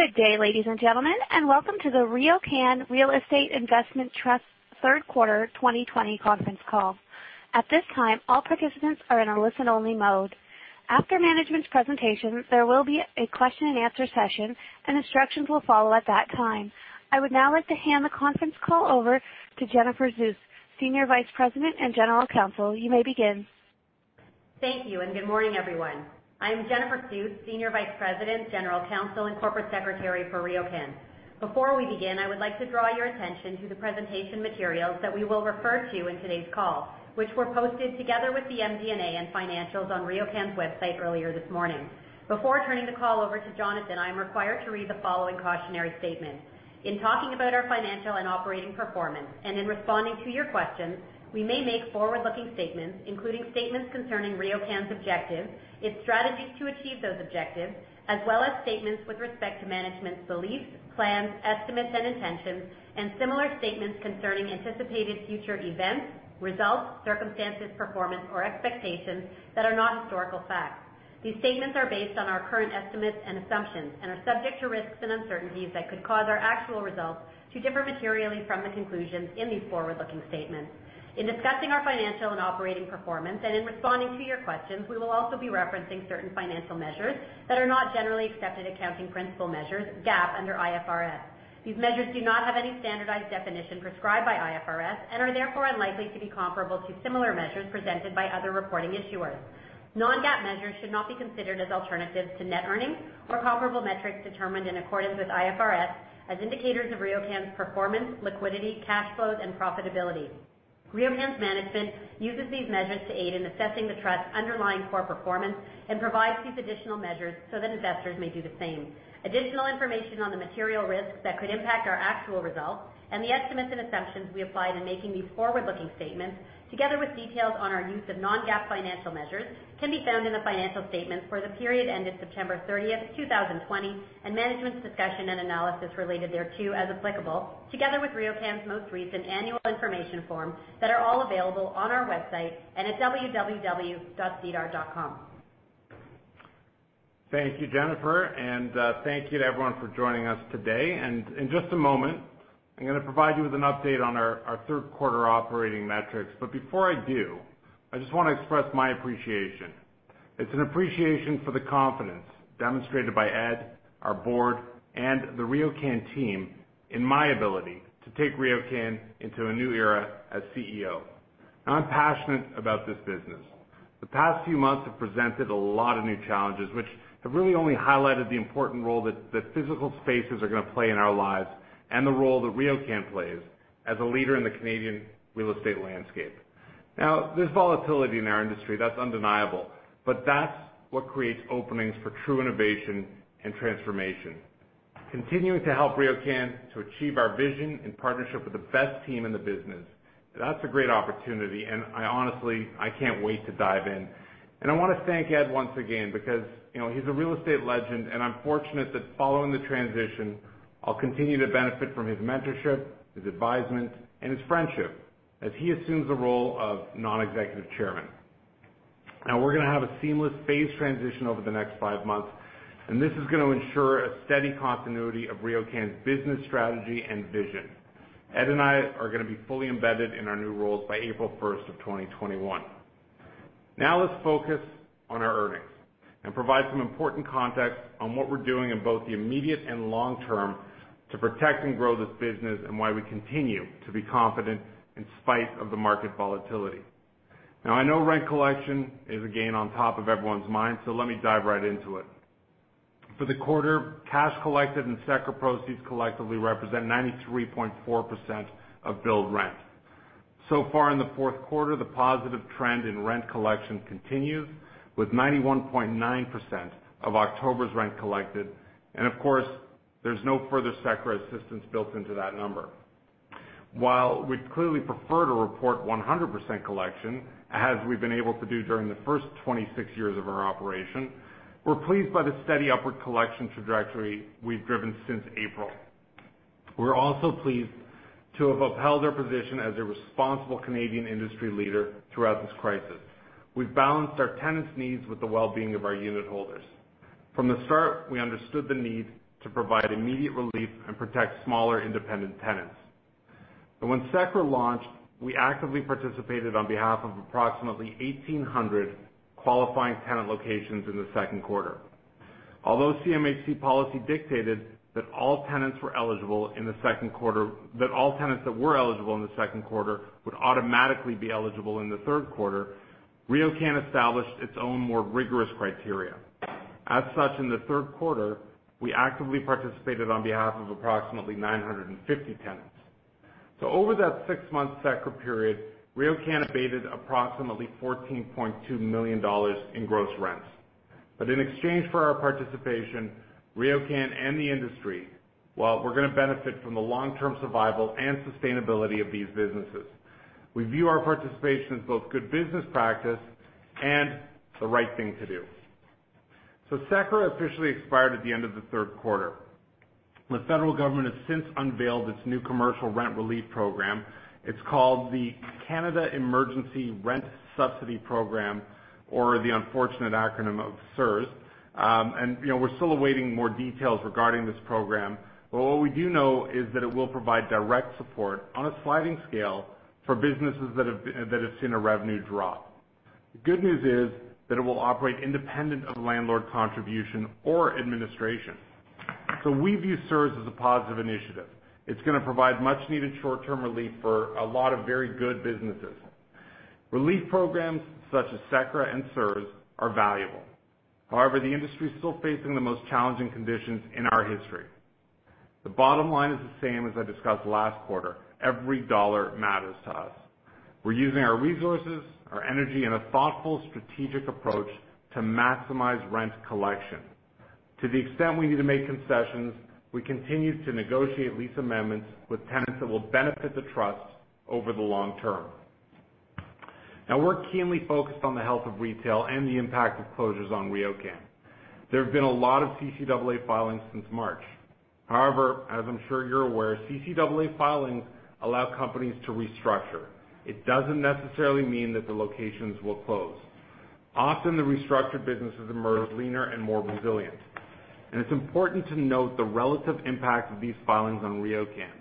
Good day, ladies and gentlemen, and welcome to the RioCan Real Estate Investment Trust third quarter 2020 conference call. I would now like to hand the conference call over to Jennifer Suess, Senior Vice President and General Counsel. You may begin. Thank you, and good morning, everyone. I am Jennifer Suess, Senior Vice President, General Counsel, and Corporate Secretary for RioCan. Before we begin, I would like to draw your attention to the presentation materials that we will refer to in today's call, which were posted together with the MD&A and financials on RioCan's website earlier this morning. Before turning the call over to Jonathan, I am required to read the following cautionary statement. In talking about our financial and operating performance and in responding to your questions, we may make forward-looking statements, including statements concerning RioCan's objectives, its strategies to achieve those objectives, as well as statements with respect to management's beliefs, plans, estimates, and intentions, and similar statements concerning anticipated future events, results, circumstances, performance, or expectations that are not historical facts. These statements are based on our current estimates and assumptions and are subject to risks and uncertainties that could cause our actual results to differ materially from the conclusions in these forward-looking statements. In discussing our financial and operating performance and in responding to your questions, we will also be referencing certain financial measures that are not generally accepted accounting principle measures, GAAP, under IFRS. These measures do not have any standardized definition prescribed by IFRS and are therefore unlikely to be comparable to similar measures presented by other reporting issuers. Non-GAAP measures should not be considered as alternatives to net earnings or comparable metrics determined in accordance with IFRS as indicators of RioCan's performance, liquidity, cash flows, and profitability. RioCan's management uses these measures to aid in assessing the trust's underlying core performance and provides these additional measures so that investors may do the same. Additional information on the material risks that could impact our actual results and the estimates and assumptions we applied in making these forward-looking statements, together with details on our use of non-GAAP financial measures, can be found in the financial statements for the period ended September 30th, 2020 and management's discussion and analysis related thereto as applicable, together with RioCan's most recent annual information form that are all available on our website and at www.sedar.com. Thank you, Jennifer. Thank you to everyone for joining us today. In just a moment, I'm going to provide you with an update on our third quarter operating metrics. Before I do, I just want to express my appreciation. It's an appreciation for the confidence demonstrated by Ed, our Board, and the RioCan team in my ability to take RioCan into a new era as CEO. I'm passionate about this business. The past few months have presented a lot of new challenges, which have really only highlighted the important role that physical spaces are going to play in our lives and the role that RioCan plays as a leader in the Canadian real estate landscape. Now, there's volatility in our industry. That's undeniable. That's what creates openings for true innovation and transformation. Continuing to help RioCan to achieve our vision in partnership with the best team in the business, that's a great opportunity, and I honestly can't wait to dive in. I want to thank Ed once again because he's a real estate legend, and I'm fortunate that following the transition, I'll continue to benefit from his mentorship, his advisement, and his friendship as he assumes the role of Non-Executive Chairman. Now, we're going to have a seamless phase transition over the next five months, and this is going to ensure a steady continuity of RioCan's business strategy and vision. Ed and I are going to be fully embedded in our new roles by April 1st of 2021. Let's focus on our earnings and provide some important context on what we're doing in both the immediate and long term to protect and grow this business and why we continue to be confident in spite of the market volatility. I know rent collection is again on top of everyone's mind, let me dive right into it. For the quarter, cash collected and CECRA proceeds collectively represent 93.4% of billed rent. Far in the fourth quarter, the positive trend in rent collection continues, with 91.9% of October's rent collected. Of course, there's no further CECRA assistance built into that number. While we'd clearly prefer to report 100% collection, as we've been able to do during the first 26 years of our operation, we're pleased by the steady upward collection trajectory we've driven since April. We're also pleased to have upheld our position as a responsible Canadian industry leader throughout this crisis. We've balanced our tenants' needs with the well-being of our unit holders. From the start, we understood the need to provide immediate relief and protect smaller, independent tenants. When CECRA launched, we actively participated on behalf of approximately 1,800 qualifying tenant locations in the second quarter. Although CMHC policy dictated that all tenants that were eligible in the second quarter would automatically be eligible in the third quarter, RioCan established its own more rigorous criteria. In the third quarter, we actively participated on behalf of approximately 950 tenants. Over that six-month CECRA period, RioCan abated approximately 14.2 million dollars in gross rents. In exchange for our participation, RioCan and the industry, well, we're going to benefit from the long-term survival and sustainability of these businesses. We view our participation as both good business practice and the right thing to do. CECRA officially expired at the end of the third quarter. The federal government has since unveiled its new commercial rent relief program. It's called the Canada Emergency Rent Subsidy Program, or the unfortunate acronym of CERS. We're still awaiting more details regarding this program, but what we do know is that it will provide direct support on a sliding scale for businesses that have seen a revenue drop. The good news is that it will operate independent of landlord contribution or administration. We view CERS as a positive initiative. It's going to provide much-needed short-term relief for a lot of very good businesses. Relief programs such as CECRA and CERS are valuable. However, the industry is still facing the most challenging conditions in our history. The bottom line is the same as I discussed last quarter. Every dollar matters to us. We're using our resources, our energy, and a thoughtful strategic approach to maximize rent collection. To the extent we need to make concessions, we continue to negotiate lease amendments with tenants that will benefit the trust over the long term. We're keenly focused on the health of retail and the impact of closures on RioCan. There have been a lot of CCAA filings since March. As I'm sure you're aware, CCAA filings allow companies to restructure. It doesn't necessarily mean that the locations will close. Often the restructured businesses emerge leaner and more resilient. It's important to note the relative impact of these filings on RioCan.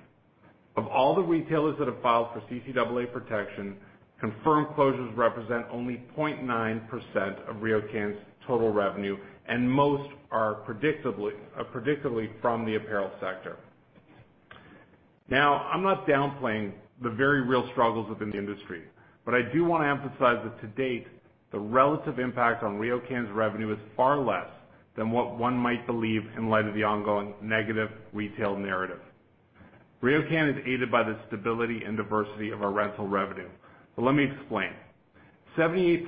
Of all the retailers that have filed for CCAA protection, confirmed closures represent only 0.9% of RioCan's total revenue, and most are predictably from the apparel sector. I'm not downplaying the very real struggles within the industry, but I do want to emphasize that to date, the relative impact on RioCan's revenue is far less than what one might believe in light of the ongoing negative retail narrative. RioCan is aided by the stability and diversity of our rental revenue. Let me explain. 78%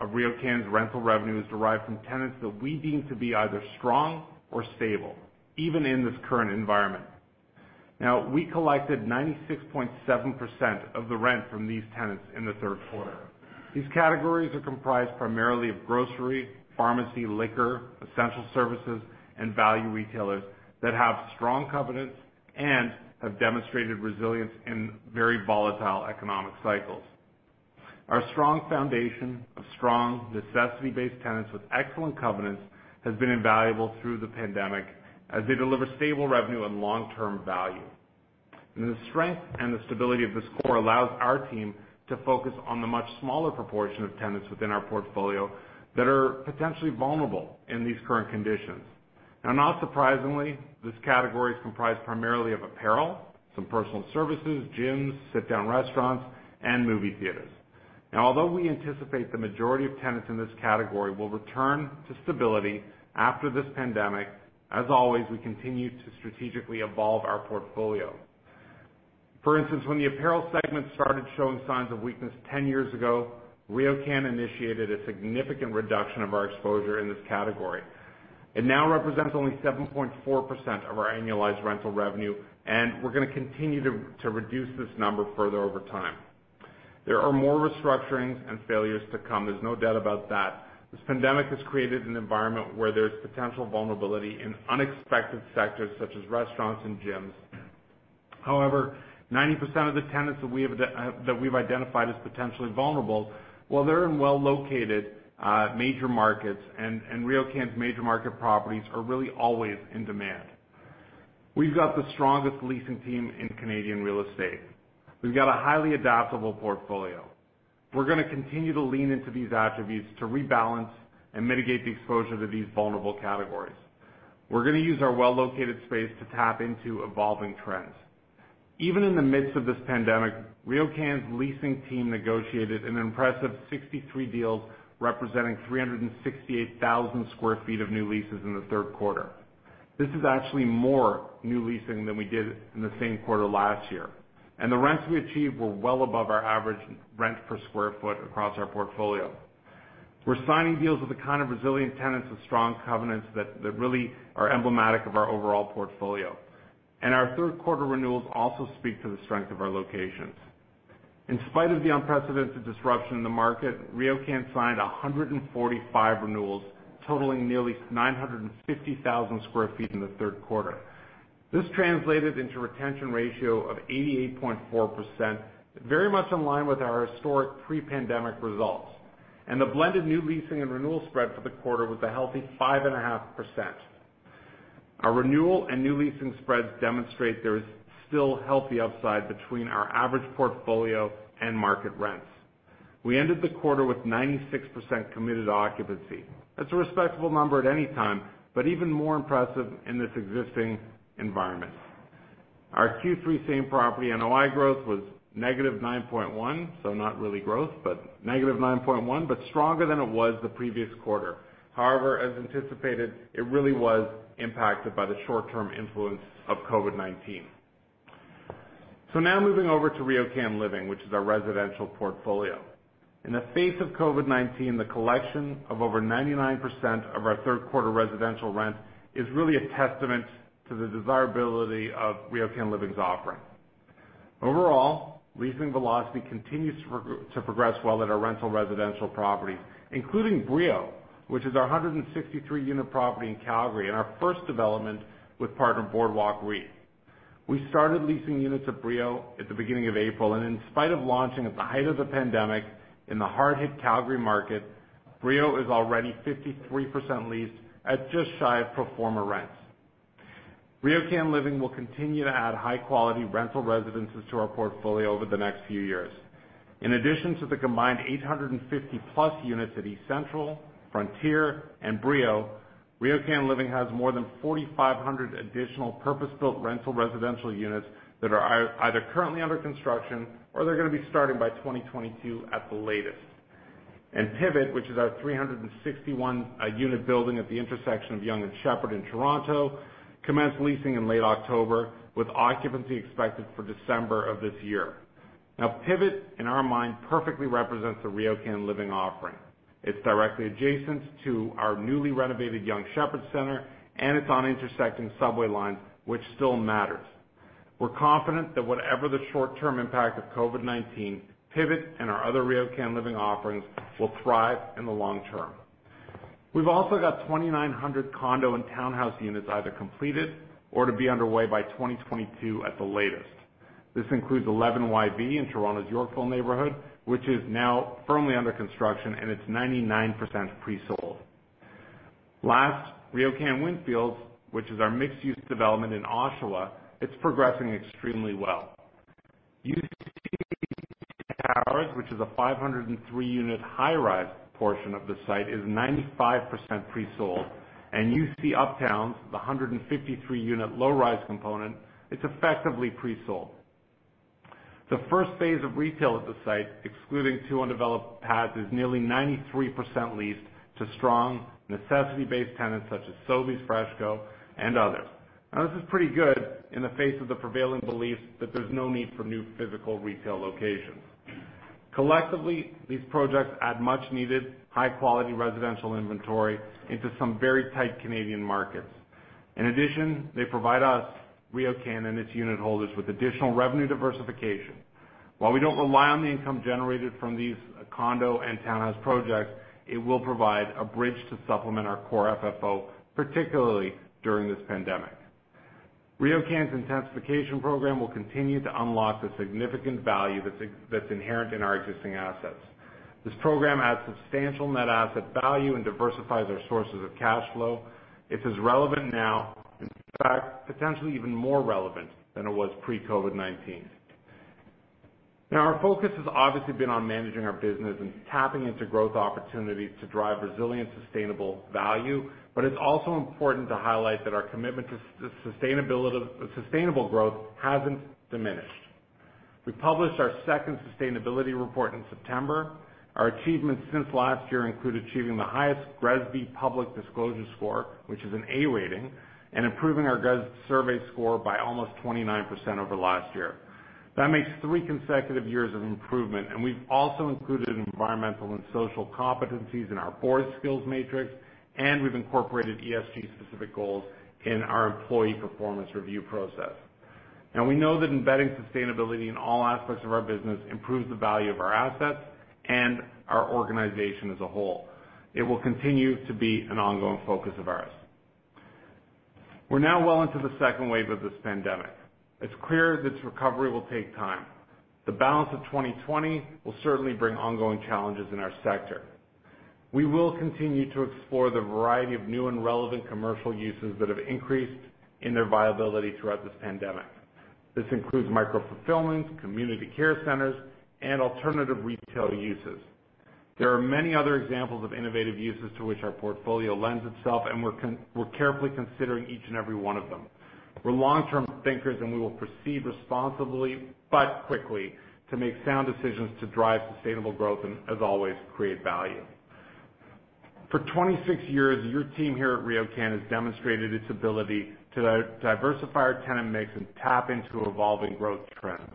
of RioCan's rental revenue is derived from tenants that we deem to be either strong or stable, even in this current environment. We collected 96.7% of the rent from these tenants in the third quarter. These categories are comprised primarily of grocery, pharmacy, liquor, essential services, and value retailers that have strong covenants and have demonstrated resilience in very volatile economic cycles. Our strong foundation of strong necessity-based tenants with excellent covenants has been invaluable through the pandemic as they deliver stable revenue and long-term value. The strength and the stability of this core allows our team to focus on the much smaller proportion of tenants within our portfolio that are potentially vulnerable in these current conditions. Not surprisingly, this category is comprised primarily of apparel, some personal services, gyms, sit-down restaurants, and movie theaters. Although we anticipate the majority of tenants in this category will return to stability after this pandemic, as always, we continue to strategically evolve our portfolio. For instance, when the apparel segment started showing signs of weakness 10 years ago, RioCan initiated a significant reduction of our exposure in this category. It now represents only 7.4% of our annualized rental revenue, we're going to continue to reduce this number further over time. There are more restructurings and failures to come. There's no doubt about that. This pandemic has created an environment where there's potential vulnerability in unexpected sectors such as restaurants and gyms. However, 90% of the tenants that we have identified as potentially vulnerable, well, they're in well-located major markets, and RioCan's major market properties are really always in demand. We've got the strongest leasing team in Canadian real estate. We've got a highly adaptable portfolio. We're going to continue to lean into these attributes to rebalance and mitigate the exposure to these vulnerable categories. We're going to use our well-located space to tap into evolving trends. Even in the midst of this pandemic, RioCan's leasing team negotiated an impressive 63 deals representing 368,000 sq ft of new leases in the third quarter. This is actually more new leasing than we did in the same quarter last year. The rents we achieved were well above our average rent per square feet across our portfolio. We're signing deals with the kind of resilient tenants with strong covenants that really are emblematic of our overall portfolio. Our third quarter renewals also speak to the strength of our locations. In spite of the unprecedented disruption in the market, RioCan signed 145 renewals totaling nearly 950,000 sq ft in the third quarter. This translated into a retention ratio of 88.4%, very much in line with our historic pre-pandemic results. The blended new leasing and renewal spread for the quarter was a healthy 5.5%. Our renewal and new leasing spreads demonstrate there is still healthy upside between our average portfolio and market rents. We ended the quarter with 96% committed occupancy. That's a respectable number at any time, but even more impressive in this existing environment. Our Q3 same property NOI growth was -9.1, so not really growth, but -9.1, but stronger than it was the previous quarter. However, as anticipated, it really was impacted by the short-term influence of COVID-19. Now moving over to RioCan Living, which is our residential portfolio. In the face of COVID-19, the collection of over 99% of our third quarter residential rent is really a testament to the desirability of RioCan Living's offering. Overall, leasing velocity continues to progress well at our rental residential properties, including Brio, which is our 163 unit property in Calgary, and our first development with partner Boardwalk REIT. We started leasing units at Brio at the beginning of April, and in spite of launching at the height of the pandemic in the hard-hit Calgary market, Brio is already 53% leased at just shy of pro forma rents. RioCan Living will continue to add high-quality rental residences to our portfolio over the next few years. In addition to the combined 850+ units at eCentral, Frontier, and Brio, RioCan Living has more than 4,500 additional purpose-built rental residential units that are either currently under construction, or they're going to be starting by 2022 at the latest. Pivot, which is our 361 unit building at the intersection of Yonge and Sheppard in Toronto, commenced leasing in late October, with occupancy expected for December of this year. Now, Pivot, in our mind, perfectly represents the RioCan Living offering. It's directly adjacent to our newly renovated Yonge Sheppard Center, and it's on intersecting subway lines, which still matters. We're confident that whatever the short-term impact of COVID-19, Pivot and our other RioCan Living offerings will thrive in the long term. We've also got 2,900 condo and townhouse units either completed or to be underway by 2022 at the latest. This includes 11YV in Toronto's Yorkville neighborhood, which is now firmly under construction, and it's 99% pre-sold. RioCan Windfields, which is our mixed-use development in Oshawa, is progressing extremely well. UC Towers, which is a 503 unit high-rise portion of the site, is 95% pre-sold, and U.C. Uptowns, the 153 unit low-rise component is effectively pre-sold. The first phase of retail at the site, excluding two undeveloped pads, is nearly 93% leased to strong necessity-based tenants such as Sobeys FreshCo, and others. This is pretty good in the face of the prevailing belief that there's no need for new physical retail locations. Collectively, these projects add much-needed high-quality residential inventory into some very tight Canadian markets. In addition, they provide us, RioCan and its unitholders, with additional revenue diversification. While we don't rely on the income generated from these condo and townhouse projects, it will provide a bridge to supplement our core FFO, particularly during this pandemic. RioCan's intensification program will continue to unlock the significant value that's inherent in our existing assets. This program adds substantial net asset value and diversifies our sources of cash flow. It is as relevant now, in fact, potentially even more relevant than it was pre-COVID-19. Our focus has obviously been on managing our business and tapping into growth opportunities to drive resilient, sustainable value. It's also important to highlight that our commitment to sustainable growth hasn't diminished. We published our second sustainability report in September. Our achievements since last year include achieving the highest GRESB public disclosure score, which is an A rating, and improving our GRESB survey score by almost 29% over last year. That makes three consecutive years of improvement, and we've also included environmental and social competencies in our board skills matrix, and we've incorporated ESG-specific goals in our employee performance review process. Now we know that embedding sustainability in all aspects of our business improves the value of our assets and our organization as a whole. It will continue to be an ongoing focus of ours. We're now well into the second wave of this pandemic. It's clear that recovery will take time. The balance of 2020 will certainly bring ongoing challenges in our sector. We will continue to explore the variety of new and relevant commercial uses that have increased in their viability throughout this pandemic. This includes micro-fulfillments, community care centers, and alternative retail uses. There are many other examples of innovative uses to which our portfolio lends itself, and we're carefully considering each and every one of them. We're long-term thinkers, and we will proceed responsibly but quickly to make sound decisions to drive sustainable growth and, as always, create value. For 26 years, your team here at RioCan has demonstrated its ability to diversify our tenant mix and tap into evolving growth trends.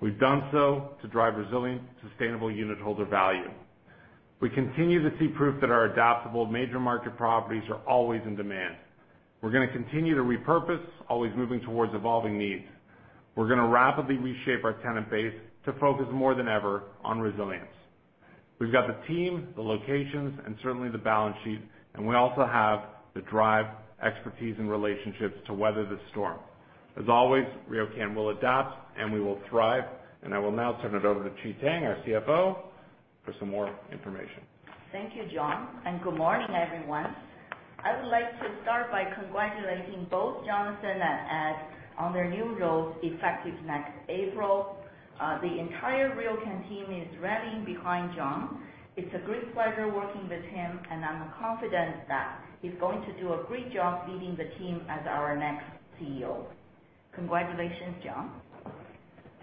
We've done so to drive resilient, sustainable unitholder value. We continue to see proof that our adaptable major market properties are always in demand. We're going to continue to repurpose, always moving towards evolving needs. We're going to rapidly reshape our tenant base to focus more than ever on resilience. We've got the team, the locations, and certainly the balance sheet, and we also have the drive, expertise, and relationships to weather this storm. As always, RioCan will adapt, and we will thrive. I will now turn it over to Qi Tang, our CFO, for some more information. Thank you, John. Good morning, everyone. I would like to start by congratulating both Jonathan and Ed on their new roles effective next April. The entire RioCan team is rallying behind John. It's a great pleasure working with him, and I'm confident that he's going to do a great job leading the team as our next CEO. Congratulations, John.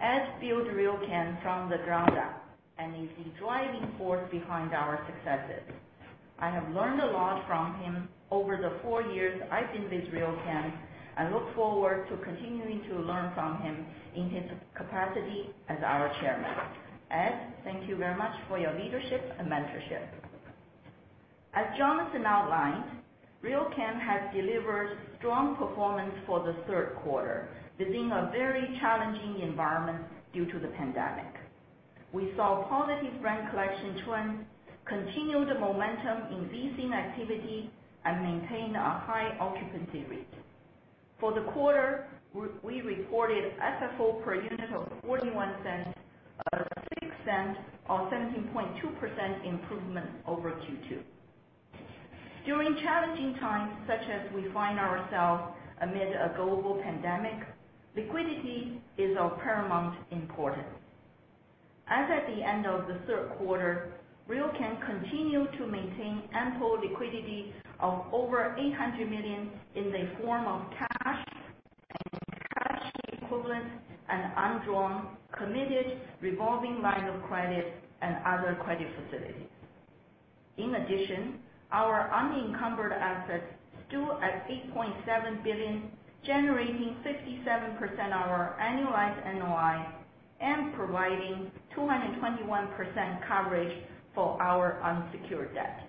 Ed built RioCan from the ground up and is the driving force behind our successes. I have learned a lot from him over the four years I've been with RioCan. I look forward to continuing to learn from him in his capacity as our Chairman. Ed, thank you very much for your leadership and mentorship. As Jonathan outlined, RioCan has delivered strong performance for the third quarter within a very challenging environment due to the pandemic. We saw positive rent collection trend, continued momentum in leasing activity, and maintained a high occupancy rate. For the quarter, we reported FFO per unit of 0.41, a 0.06 or 17.2% improvement over Q2. During challenging times, such as we find ourselves amid a global pandemic, liquidity is of paramount importance. As at the end of the third quarter, RioCan continue to maintain ample liquidity of over 800 million in the form of cash and cash equivalents and undrawn committed revolving line of credit and other credit facilities. In addition, our unencumbered assets stood at 8.7 billion, generating 57% of our annualized NOI and providing 221% coverage for our unsecured debt.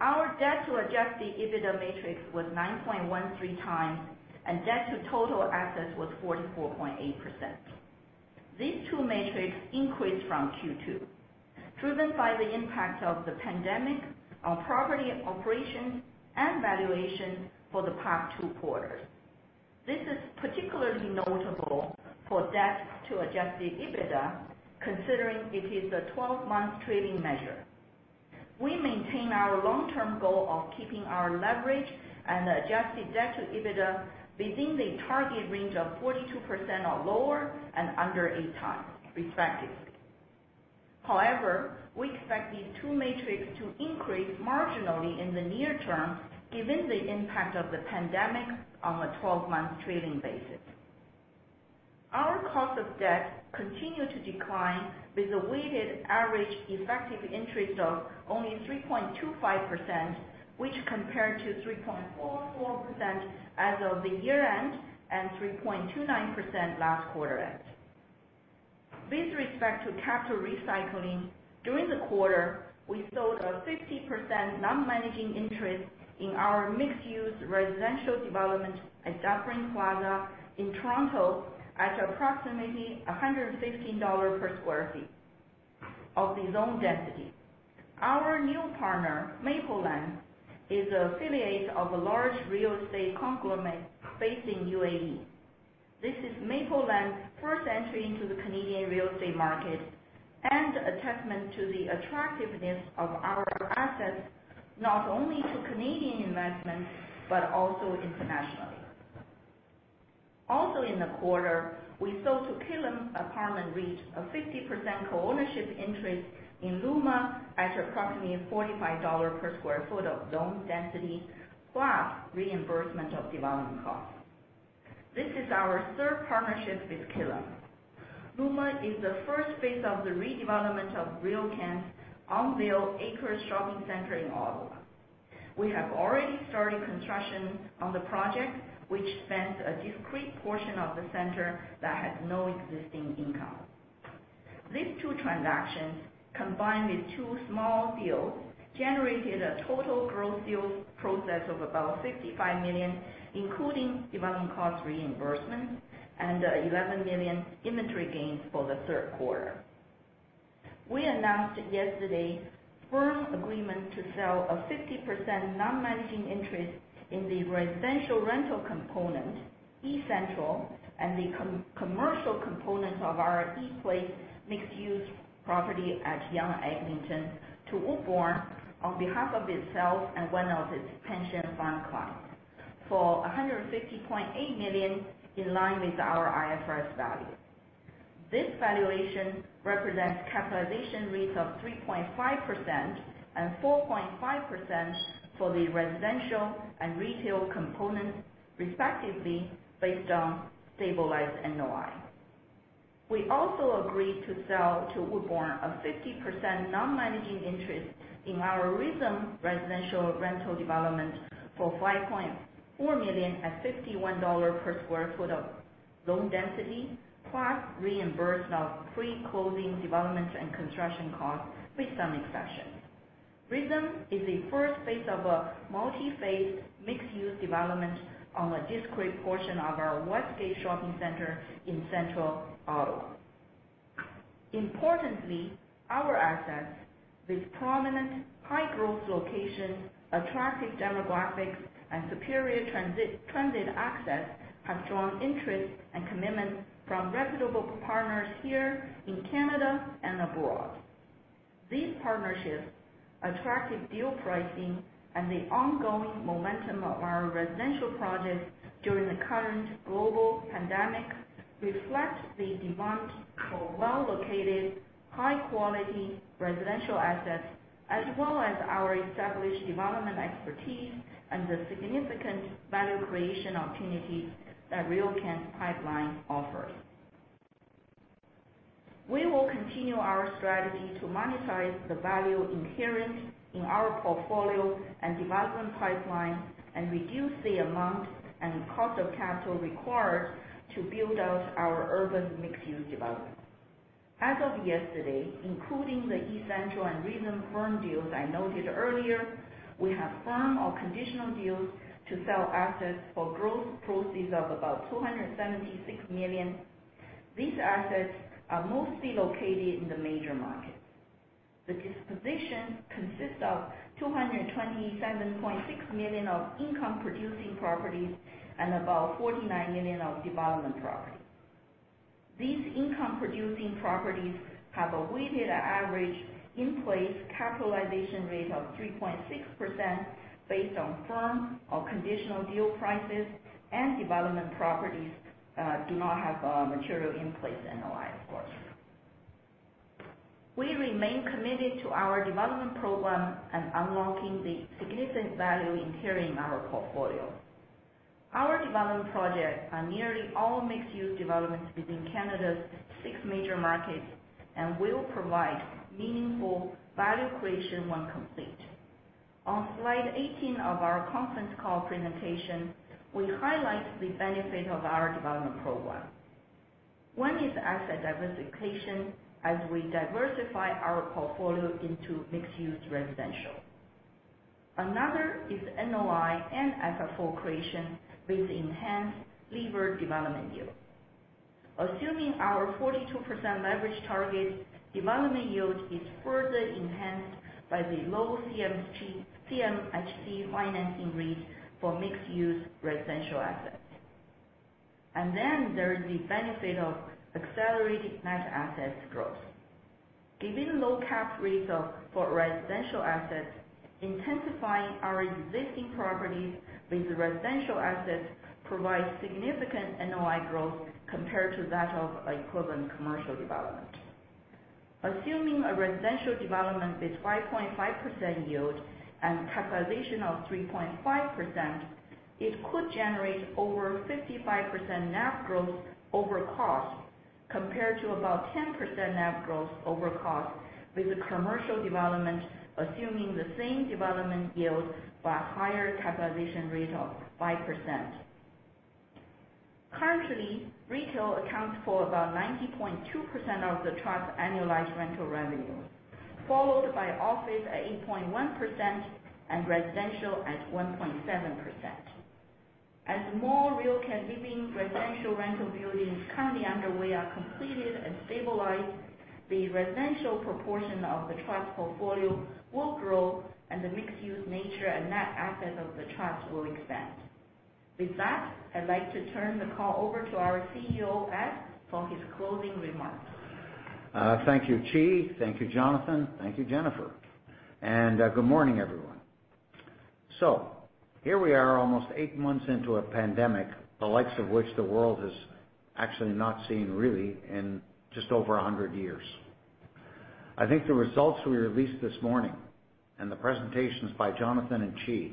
Our debt-to-adjusted EBITDA matric was 9.13x, and debt to total assets was 44.8%. These two metrics increased from Q2, driven by the impact of the pandemic on property operations and valuation for the past two quarters. This is particularly notable for debt-to-adjusted EBITDA, considering it is a 12-month trading measure. We maintain our long-term goal of keeping our leverage and adjusted debt to EBITDA within the target range of 42% or lower and under eight times respectively. We expect these two metrics to increase marginally in the near term, given the impact of the pandemic on a 12-month trailing basis. Our cost of debt continued to decline with a weighted average effective interest of only 3.25%, which compared to 3.44% as of the year-end and 3.29% last quarter end. With respect to capital recycling, during the quarter, we sold a 50% non-managing interest in our mixed-use residential development at Dufferin Plaza in Toronto at approximately 116 dollars per sq ft of the zoned density. Our new partner, Maplelands, is an affiliate of a large real estate conglomerate based in UAE. This is Maplelands' first entry into the Canadian real estate market and a testament to the attractiveness of our assets not only to Canadian investments, but also internationally. Also, in the quarter, we sold to Killam Apartment REIT a 50% co-ownership interest in Luma at approximately 45 dollar per sq ft of zoned density, plus reimbursement of development costs. This is our third partnership with Killam. Luma is the first phase of the redevelopment of RioCan's Elmvale Acres Shopping Centre in Ottawa. We have already started construction on the project, which spans a discrete portion of the center that has no existing income. These two transactions, combined with two small deals, generated a total gross deal proceeds of about 65 million, including development cost reimbursement and 11 million inventory gains for the third quarter. We announced yesterday firm agreement to sell a 50% non-managing interest in the residential rental component, eCentral, and the commercial component of our ePlace mixed-use property at Yonge and Eglinton to Woodbourne on behalf of itself and one of its pension fund clients for 150.8 million, in line with our IFRS value. This valuation represents capitalization rates of 3.5% and 4.5% for the residential and retail components respectively based on stabilized NOI. We also agreed to sell to Woodbourne a 50% non-managing interest in our Rhythm residential rental development for 5.4 million at 51 dollar per sq ft of zoned density, plus reimbursement of pre-closing developments and construction costs with some exceptions. Rhythm is the first phase of a multi-phase mixed-use development on a discrete portion of our Westgate Shopping Center in central Ottawa. Importantly, our assets with prominent high-growth locations, attractive demographics, and superior transit access have drawn interest and commitment from reputable partners here in Canada and abroad. These partnerships, attractive deal pricing, and the ongoing momentum of our residential projects during the current global pandemic reflect the demand for well-located, high-quality residential assets, as well as our established development expertise and the significant value creation opportunity that RioCan's pipeline offers. We will continue our strategy to monetize the value inherent in our portfolio and development pipeline and reduce the amount and cost of capital required to build out our urban mixed-use developments. As of yesterday, including the eCentral and recent firm deals I noted earlier, we have firm or conditional deals to sell assets for gross proceeds of about 276 million. These assets are mostly located in the major markets. The disposition consists of 227.6 million of income-producing properties and about 49 million of development property. These income-producing properties have a weighted average in-place capitalization rate of 3.6% based on firm or conditional deal prices. Development properties do not have a material in-place NOI, of course. We remain committed to our development program and unlocking the significant value inherent in our portfolio. Our development projects are nearly all mixed-use developments within Canada's six major markets and will provide meaningful value creation when complete. On slide 18 of our conference call presentation, we highlight the benefit of our development program. One is asset diversification, as we diversify our portfolio into mixed-use residential. Another is NOI and FFO creation with enhanced levered development yield. Assuming our 42% leverage target, development yield is further enhanced by the low CMHC financing rate for mixed-use residential assets. Then there is the benefit of accelerated net assets growth. Given low cap rates for residential assets, intensifying our existing properties with residential assets provides significant NOI growth compared to that of equivalent commercial development. Assuming a residential development with 5.5% yield and capitalization of 3.5%, it could generate over 55% NAV growth over cost, compared to about 10% NAV growth over cost with the commercial development, assuming the same development yield, but higher capitalization rate of 5%. Currently, retail accounts for about 90.2% of the Trust's annualized rental revenue, followed by office at 8.1% and residential at 1.7%. As more RioCan Living residential rental buildings currently underway are completed and stabilized, the residential proportion of the Trust portfolio will grow and the mixed-use nature and net assets of the Trust will expand. With that, I'd like to turn the call over to our CEO, Ed, for his closing remarks. Thank you, Qi. Thank you, Jonathan. Thank you, Jennifer Suess. Good morning, everyone. Here we are almost eight months into a pandemic, the likes of which the world has actually not seen, really, in just over 100 years. I think the results we released this morning, and the presentations by Jonathan and Qi,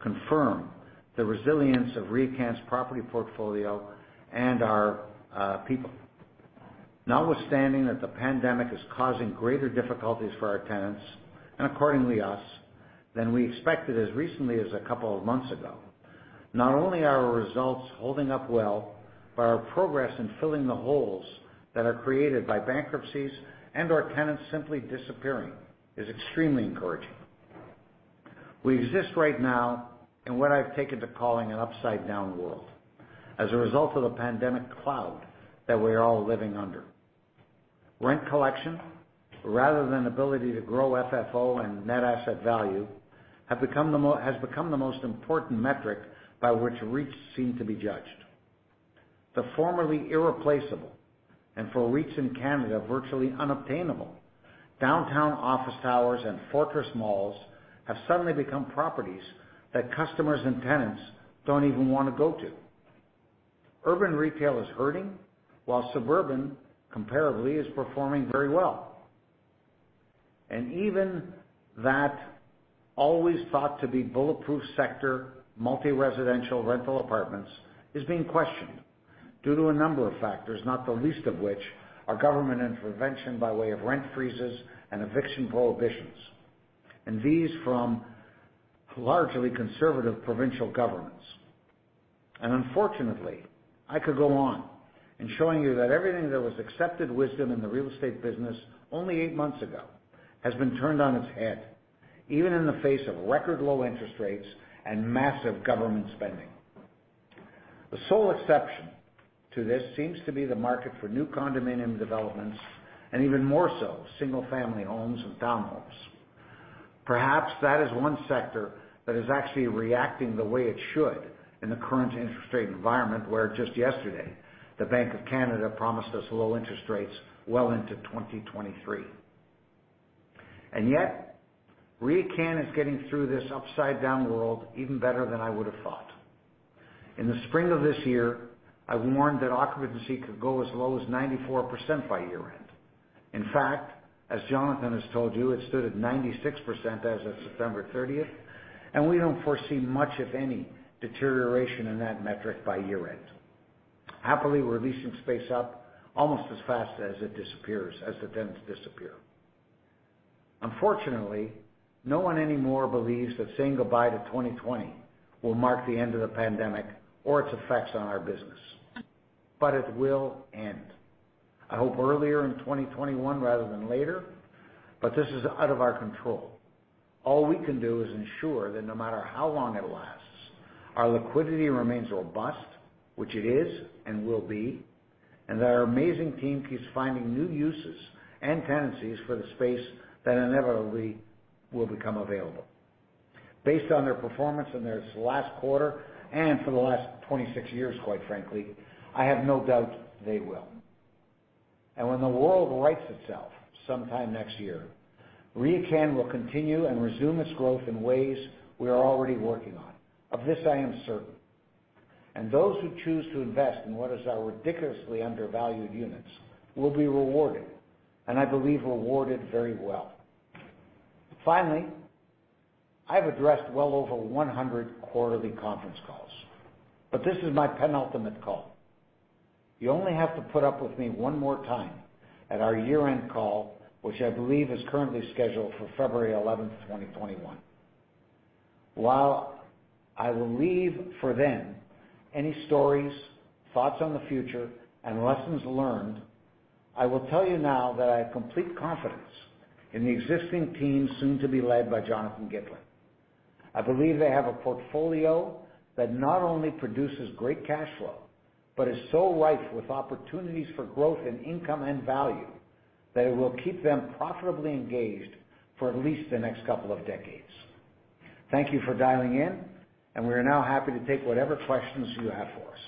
confirm the resilience of RioCan's property portfolio and our people. Notwithstanding that the pandemic is causing greater difficulties for our tenants, and accordingly us, than we expected as recently as a couple of months ago. Not only are our results holding up well, but our progress in filling the holes that are created by bankruptcies and our tenants simply disappearing is extremely encouraging. We exist right now in what I've taken to calling an upside-down world as a result of the pandemic cloud that we are all living under. Rent collection, rather than ability to grow FFO and net asset value, has become the most important metric by which REITs seem to be judged. The formerly irreplaceable, and for REITs in Canada, virtually unobtainable, downtown office towers and fortress malls have suddenly become properties that customers and tenants don't even want to go to. Urban retail is hurting, while suburban comparably is performing very well. Even that always-thought-to-be-bulletproof sector, multi-residential rental apartments, is being questioned due to a number of factors, not the least of which are government intervention by way of rent freezes and eviction prohibitions, and these from largely conservative provincial governments. Unfortunately, I could go on in showing you that everything that was accepted wisdom in the real estate business only eight months ago has been turned on its head, even in the face of record low interest rates and massive government spending. The sole exception to this seems to be the market for new condominium developments and even more so, single-family homes and townhomes. Perhaps that is one sector that is actually reacting the way it should in the current interest rate environment, where just yesterday, the Bank of Canada promised us low interest rates well into 2023. Yet, RioCan is getting through this upside-down world even better than I would have thought. In the spring of this year, I warned that occupancy could go as low as 94% by year-end. In fact, as Jonathan has told you, it stood at 96% as of September 30th, and we don't foresee much, if any, deterioration in that metric by year-end. Happily, we're leasing space up almost as fast as the tenants disappear. Unfortunately, no one anymore believes that saying goodbye to 2020 will mark the end of the pandemic or its effects on our business. It will end, I hope earlier in 2021 rather than later, but this is out of our control. All we can do is ensure that no matter how long it lasts, our liquidity remains robust, which it is and will be, and that our amazing team keeps finding new uses and tenancies for the space that inevitably will become available. Based on their performance in this last quarter, and for the last 26 years, quite frankly, I have no doubt they will. When the world rights itself, sometime next year, RioCan will continue and resume its growth in ways we are already working on. Of this, I am certain. Those who choose to invest in what is our ridiculously undervalued units will be rewarded, and I believe rewarded very well. I have addressed well over 100 quarterly conference calls, but this is my penultimate call. You only have to put up with me one more time at our year-end call, which I believe is currently scheduled for February 11, 2021. I will leave for then any stories, thoughts on the future, and lessons learned, I will tell you now that I have complete confidence in the existing team, soon to be led by Jonathan Gitlin. I believe they have a portfolio that not only produces great cash flow, but is so rife with opportunities for growth in income and value that it will keep them profitably engaged for at least the next couple of decades. Thank you for dialing in. We are now happy to take whatever questions you have for us.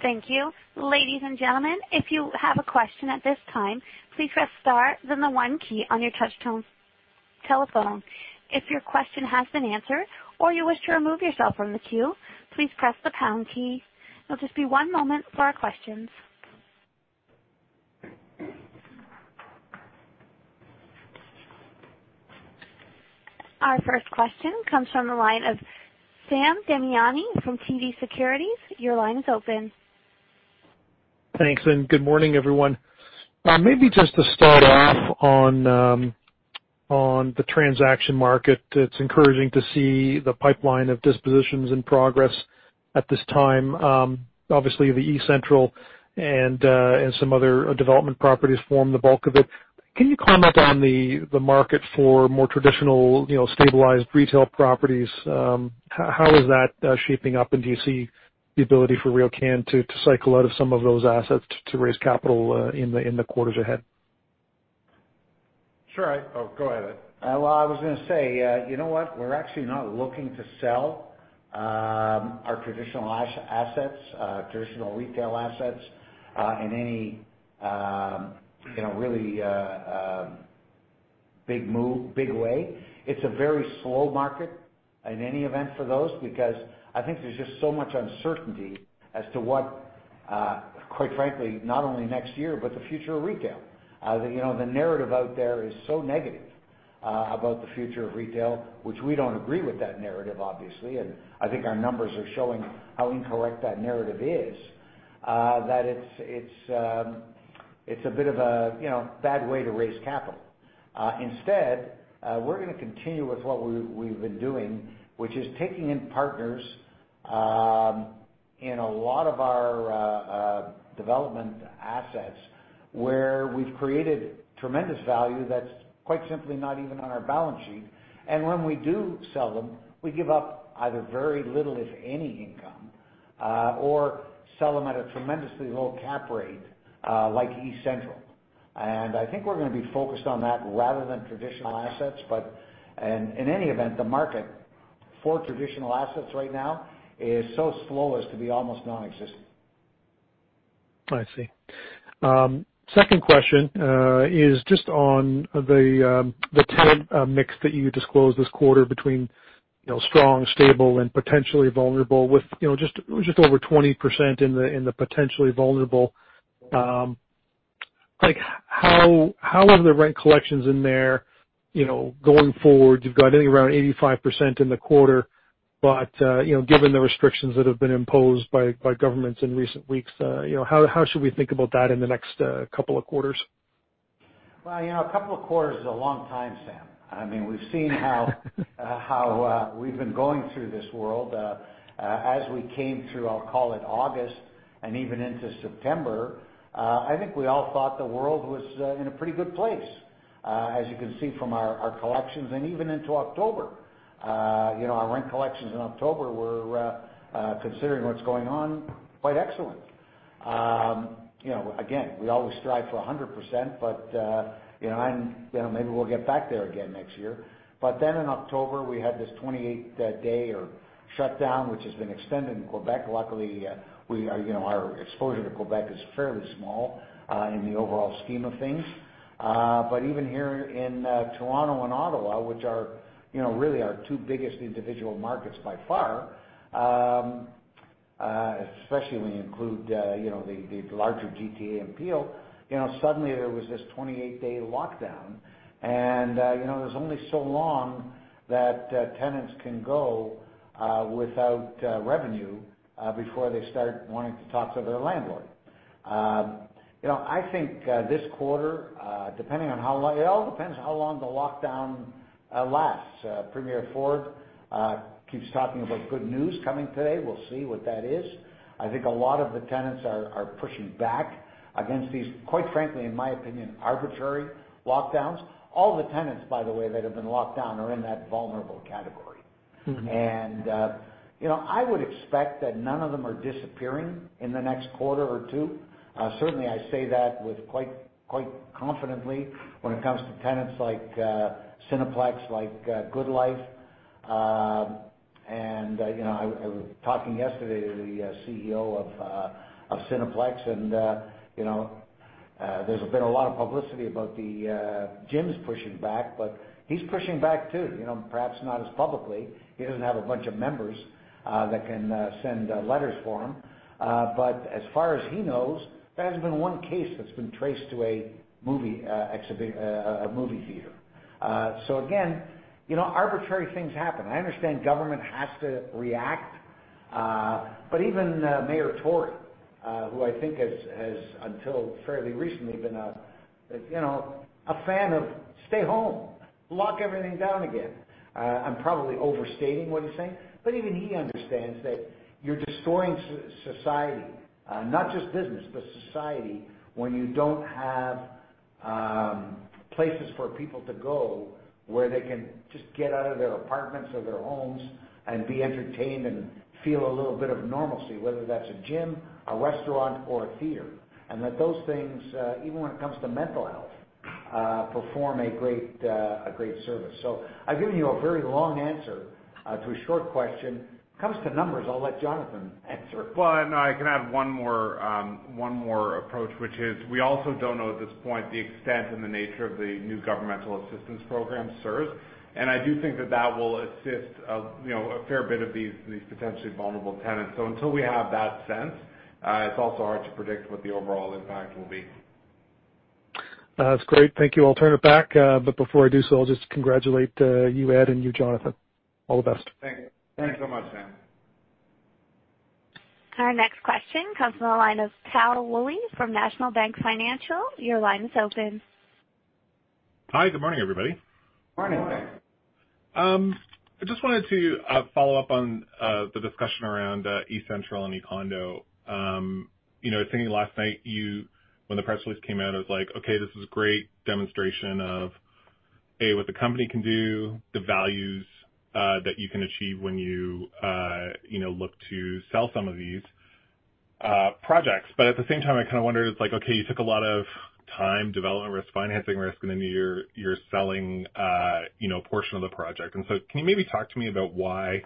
Thank you. Ladies and gentlemen, if you have a question at this time, please press star then the one key on your touchtone telephone. If your question has been answered or you wish to remove yourself from the queue, please press the pound key. It'll just be one moment for our questions. Our first question comes from the line of Sam Damiani from TD Securities. Your line is open. Thanks, and good morning, everyone. Maybe just to start off on the transaction market. It's encouraging to see the pipeline of dispositions and progress at this time. Obviously, the eCentral and some other development properties form the bulk of it. Can you comment on the market for more traditional, stabilized retail properties? How is that shaping up, and do you see the ability for RioCan to cycle out of some of those assets to raise capital in the quarters ahead? Sure. Go ahead, Ed. Well, I was going to say, you know what? We're actually not looking to sell our traditional retail assets in any really big way. It's a very slow market in any event for those, because I think there's just so much uncertainty as to what, quite frankly, not only next year, but the future of retail. The narrative out there is so negative about the future of retail, which we don't agree with that narrative, obviously. I think our numbers are showing how incorrect that narrative is, that it's a bit of a bad way to raise capital. Instead, we're going to continue with what we've been doing, which is taking in partners in a lot of our development assets where we've created tremendous value that's quite simply not even on our balance sheet. When we do sell them, we give up either very little, if any income, or sell them at a tremendously low cap rate, like eCentral. I think we're going to be focused on that rather than traditional assets. In any event, the market for traditional assets right now is so slow as to be almost nonexistent. I see. Second question is just on the tenant mix that you disclosed this quarter between strong, stable, and potentially vulnerable with just over 20% in the potentially vulnerable. How are the rent collections in there going forward? You've got, I think, around 85% in the quarter, but given the restrictions that have been imposed by governments in recent weeks, how should we think about that in the next couple of quarters? Well, a couple of quarters is a long time, Sam. We've seen how we've been going through this world. As we came through, I'll call it August and even into September, I think we all thought the world was in a pretty good place. As you can see from our collections and even into October. Our rent collections in October were, considering what's going on, quite excellent. Again, we always strive for 100%, but maybe we'll get back there again next year. Then in October, we had this 28-day shutdown, which has been extended in Quebec. Luckily, our exposure to Quebec is fairly small in the overall scheme of things. Even here in Toronto and Ottawa, which are really our two biggest individual markets by far, especially when you include the larger GTA and Peel, suddenly there was this 28-day lockdown. There's only so long that tenants can go without revenue before they start wanting to talk to their landlord. I think this quarter it all depends how long the lockdown lasts. Premier Ford keeps talking about good news coming today. We'll see what that is. I think a lot of the tenants are pushing back against these, quite frankly, in my opinion, arbitrary lockdowns. All the tenants, by the way, that have been locked down are in that vulnerable category. I would expect that none of them are disappearing in the next quarter or two. Certainly, I say that quite confidently when it comes to tenants like Cineplex, like GoodLife. I was talking yesterday to the CEO of Cineplex, and there's been a lot of publicity about the gyms pushing back, but he's pushing back, too. Perhaps not as publicly. He doesn't have a bunch of members that can send letters for him. As far as he knows, there hasn't been one case that's been traced to a movie theater. Again, arbitrary things happen. I understand government has to react. Even Mayor Tory, who I think has, until fairly recently, been a fan of stay home, lock everything down again. I'm probably overstating what he's saying, but even he understands that you're destroying society. Not just business, but society, when you don't have places for people to go where they can just get out of their apartments or their homes and be entertained and feel a little bit of normalcy, whether that's a gym, a restaurant, or a theater. That those things, even when it comes to mental health, perform a great service. I've given you a very long answer to a short question. When it comes to numbers, I'll let Jonathan answer. Well, no, I can add one more approach, which is, we also don't know at this point the extent and the nature of the new governmental assistance program, CERS. I do think that that will assist a fair bit of these potentially vulnerable tenants. Until we have that sense, it's also hard to predict what the overall impact will be. That's great. Thank you. I'll turn it back, but before I do so, I'll just congratulate you, Ed, and you, Jonathan. All the best. Thank you. Thanks so much, Sam. Our next question comes from the line of Tal Woolley from National Bank Financial. Your line is open. Hi, good morning, everybody. Good Morning. I just wanted to follow up on the discussion around eCentral and eCondo. I was thinking last night, when the press release came out, I was like, okay, this is a great demonstration of, A, what the company can do, the values that you can achieve when you look to sell some of these projects. At the same time, I kind of wondered, it's like, okay, you took a lot of time, development risk, financing risk, you're selling a portion of the project. Can you maybe talk to me about why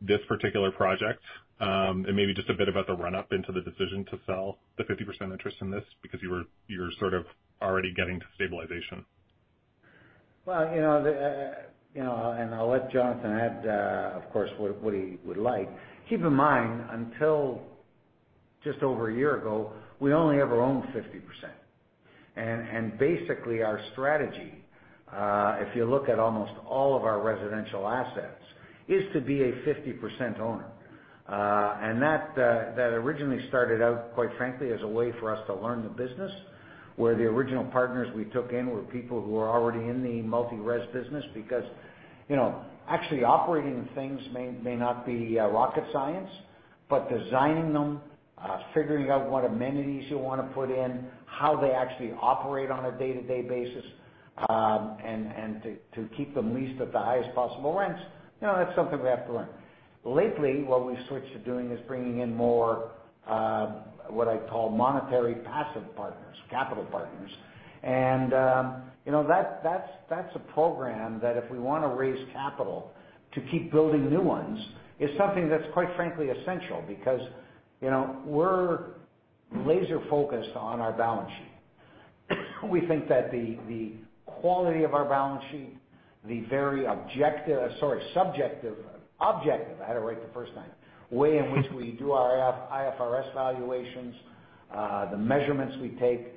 this particular project, and maybe just a bit about the run-up into the decision to sell the 50% interest in this, because you were sort of already getting to stabilization. Well, I'll let Jonathan add, of course, what he would like. Keep in mind, until just over a year ago, we only ever owned 50%. Basically, our strategy, if you look at almost all of our residential assets, is to be a 50% owner. That originally started out, quite frankly, as a way for us to learn the business, where the original partners we took in were people who were already in the multi-res business because actually operating things may not be rocket science, but designing them, figuring out what amenities you want to put in, how they actually operate on a day-to-day basis, and to keep them leased at the highest possible rents. That's something we have to learn. Lately, what we've switched to doing is bringing in more, what I call monetary passive partners, capital partners. That's a program that if we want to raise capital to keep building new ones, is something that's quite frankly essential because we're laser focused on our balance sheet. We think that the quality of our balance sheet, the very objective, I had it right the first time, way in which we do our IFRS valuations, the measurements we take.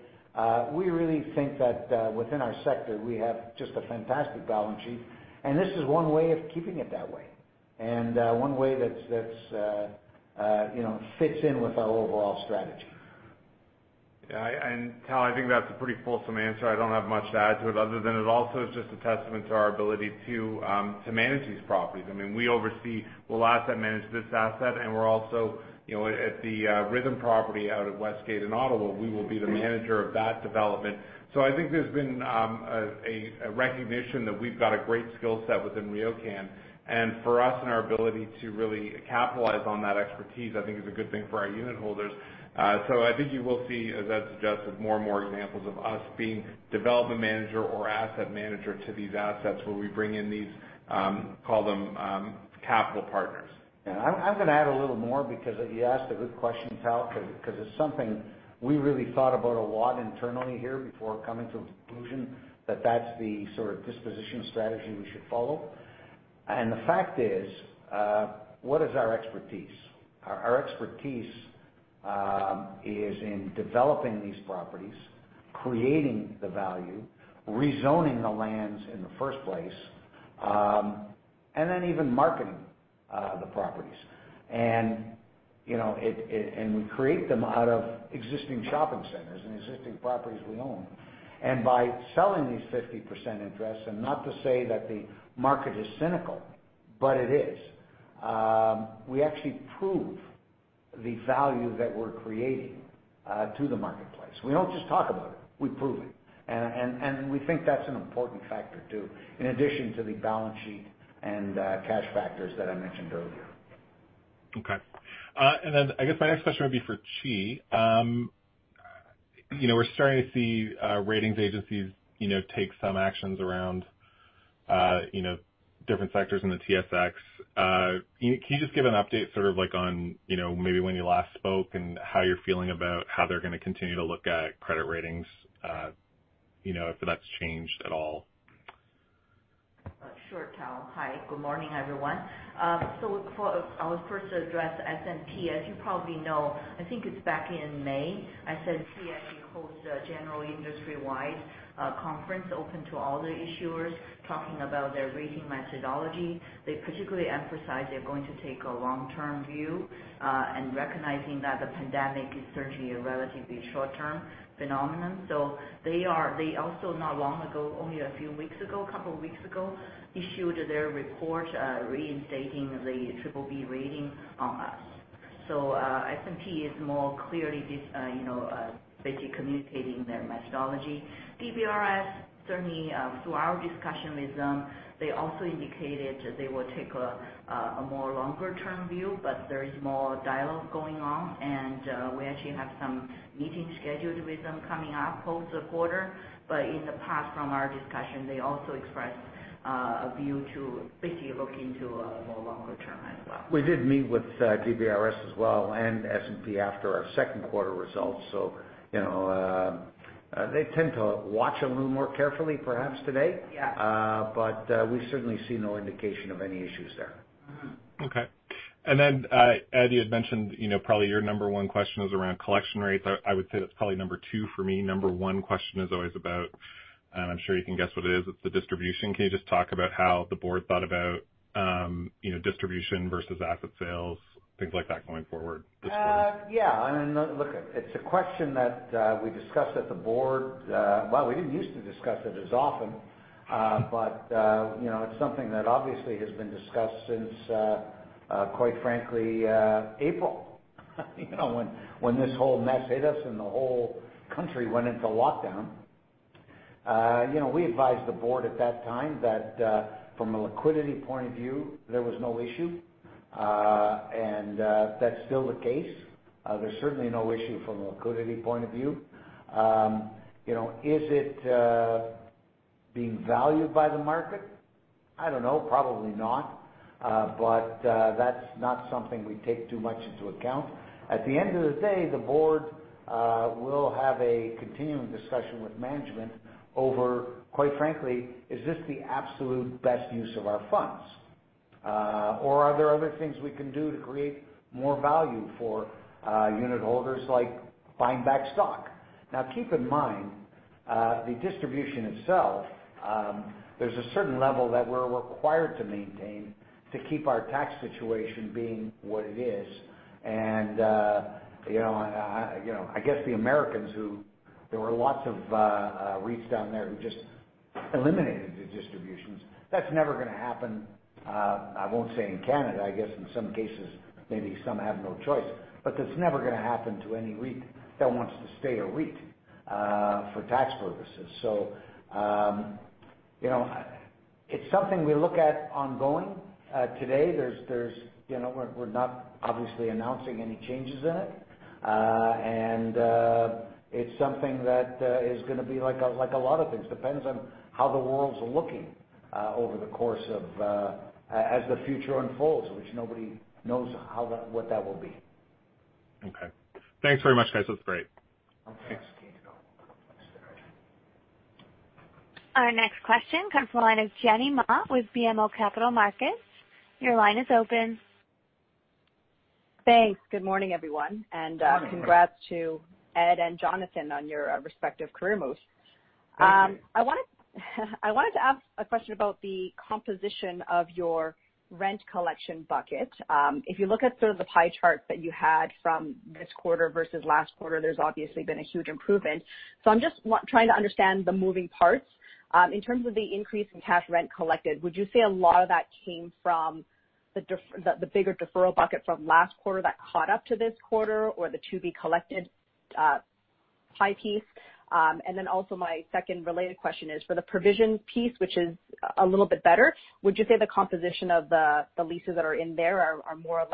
We really think that within our sector, we have just a fantastic balance sheet, and this is one way of keeping it that way, and one way that fits in with our overall strategy. Yeah. Tal, I think that's a pretty fulsome answer. I don't have much to add to it other than it also is just a testament to our ability to manage these properties. We'll asset manage this asset, we're also at the Rhythm property out at Westgate in Ottawa. We will be the manager of that development. I think there's been a recognition that we've got a great skill set within RioCan, for us and our ability to really capitalize on that expertise, I think is a good thing for our unit holders. I think you will see, as Ed suggested, more and more examples of us being development manager or asset manager to these assets where we bring in these, call them capital partners. Yeah. I was going to add a little more because you asked a good question, Tal, because it's something we really thought about a lot internally here before coming to a conclusion that that's the sort of disposition strategy we should follow. The fact is, what is our expertise? Our expertise is in developing these properties, creating the value, rezoning the lands in the first place, and then even marketing the properties. We create them out of existing shopping centers and existing properties we own. By selling these 50% interests, and not to say that the market is cynical, but it is. We actually prove the value that we're creating to the marketplace. We don't just talk about it, we prove it. We think that's an important factor, too, in addition to the balance sheet and cash factors that I mentioned earlier. Okay. I guess my next question would be for Qi. We're starting to see ratings agencies take some actions around different sectors in the TSX. Can you just give an update sort of like on maybe when you last spoke and how you're feeling about how they're going to continue to look at credit ratings, if that's changed at all? Sure, Tal. Hi, good morning, everyone. Look, I will first address S&P. As you probably know, I think it's back in May, S&P actually host a general industry-wide conference open to all the issuers talking about their rating methodology. They particularly emphasize they're going to take a long-term view, and recognizing that the pandemic is certainly a relatively short-term phenomenon. They also, not long ago, only a few weeks ago, a couple of weeks ago, issued their report, reinstating the BBB rating on us. S&P is more clearly basically communicating their methodology. DBRS, certainly, through our discussion with them, they also indicated that they will take a more longer-term view, but there is more dialogue going on, and we actually have some meetings scheduled with them coming up post the quarter. In the past, from our discussion, they also expressed a view to basically look into a more longer term as well. We did meet with DBRS as well and S&P after our second quarter results. They tend to watch a little more carefully perhaps today. Yeah. We certainly see no indication of any issues there. Okay. Ed, you had mentioned probably your number one question was around collection rates. I would say that's probably number two for me. Number one question is always about, I'm sure you can guess what it is, it's the distribution. Can you just talk about how the board thought about distribution versus asset sales, things like that going forward this quarter? Yeah. Look, it's a question that we discussed at the Board. Well, we didn't use to discuss it as often. It's something that obviously has been discussed since, quite frankly, April, when this whole mess hit us and the whole country went into lockdown. We advised the Board at that time that, from a liquidity point of view, there was no issue. That's still the case. There's certainly no issue from a liquidity point of view. Is it being valued by the market? I don't know. Probably not. That's not something we take too much into account. At the end of the day, the Board will have a continuing discussion with management over, quite frankly, is this the absolute best use of our funds? Are there other things we can do to create more value for unit holders, like buying back stock? Keep in mind, the distribution itself, there's a certain level that we're required to maintain to keep our tax situation being what it is. I guess the Americans who, there were lots of REITs down there who just eliminated the distributions. That's never going to happen, I won't say in Canada, I guess in some cases, maybe some have no choice. That's never going to happen to any REIT that wants to stay a REIT for tax purposes. It's something we look at ongoing. Today, we're not obviously announcing any changes in it. It's something that is going to be like a lot of things. Depends on how the world's looking as the future unfolds, which nobody knows what that will be. Okay. Thanks very much, guys. That's great. Okay. Thanks. Our next question comes from the line of Jenny Ma with BMO Capital Markets. Your line is open. Thanks. Good morning, everyone. Good morning. Congrats to Ed and Jonathan on your respective career moves. Thank you. I wanted to ask a question about the composition of your rent collection bucket. If you look at sort of the pie chart that you had from this quarter versus last quarter, there's obviously been a huge improvement. I'm just trying to understand the moving parts. In terms of the increase in cash rent collected, would you say a lot of that came from the bigger deferral bucket from last quarter that caught up to this quarter, or the to-be-collected pie piece? Also my second related question is, for the provision piece, which is a little bit better, would you say the composition of the leases that are in there are more or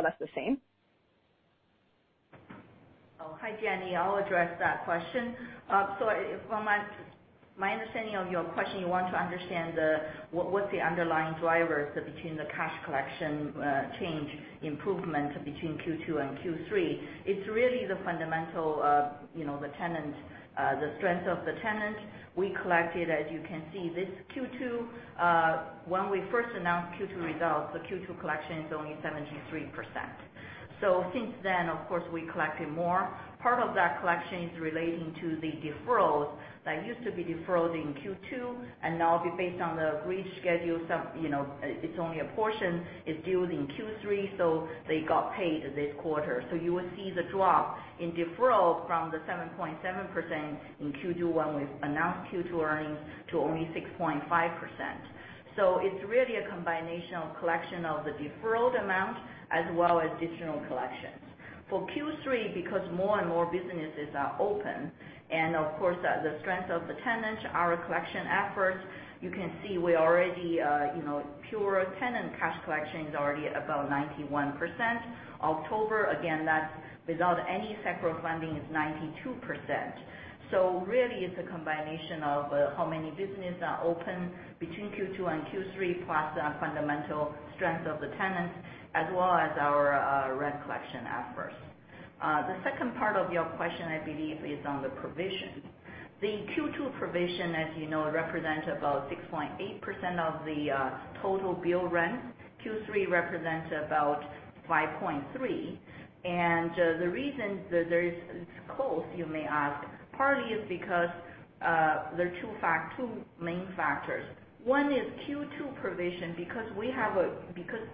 less the same? Oh, hi, Jenny. I'll address that question. From my understanding of your question, you want to understand what is the underlying drivers between the cash collection change improvement between Q2 and Q3. It's really the fundamental, the strength of the tenant. We collected, as you can see, this Q2. When we first announced Q2 results, the Q2 collection is only 73%. Since then, of course, we collected more. Part of that collection is relating to the deferrals that used to be deferred in Q2. And now based on the agreed schedule, it's only a portion is due in Q3, so they got paid this quarter. You will see the drop in deferral from the 7.7% in Q2 when we announced Q2 earnings to only 6.5%. It's really a combination of collection of the deferred amount as well as additional collections. For Q3, because more and more businesses are open, and of course, the strength of the tenants, our collection efforts, you can see pure tenant cash collection is already about 91%. October, again, that's without any federal funding, is 92%. Really it's a combination of how many businesses are open between Q2 and Q3, plus the fundamental strength of the tenants, as well as our rent collection efforts. The second part of your question, I believe, is on the provision. The Q2 provision, as you know, represents about 6.8% of the total bill rent. Q3 represents about 5.3%. The reason that it's close, you may ask, partly is because there are two main factors. One is Q2 provision, because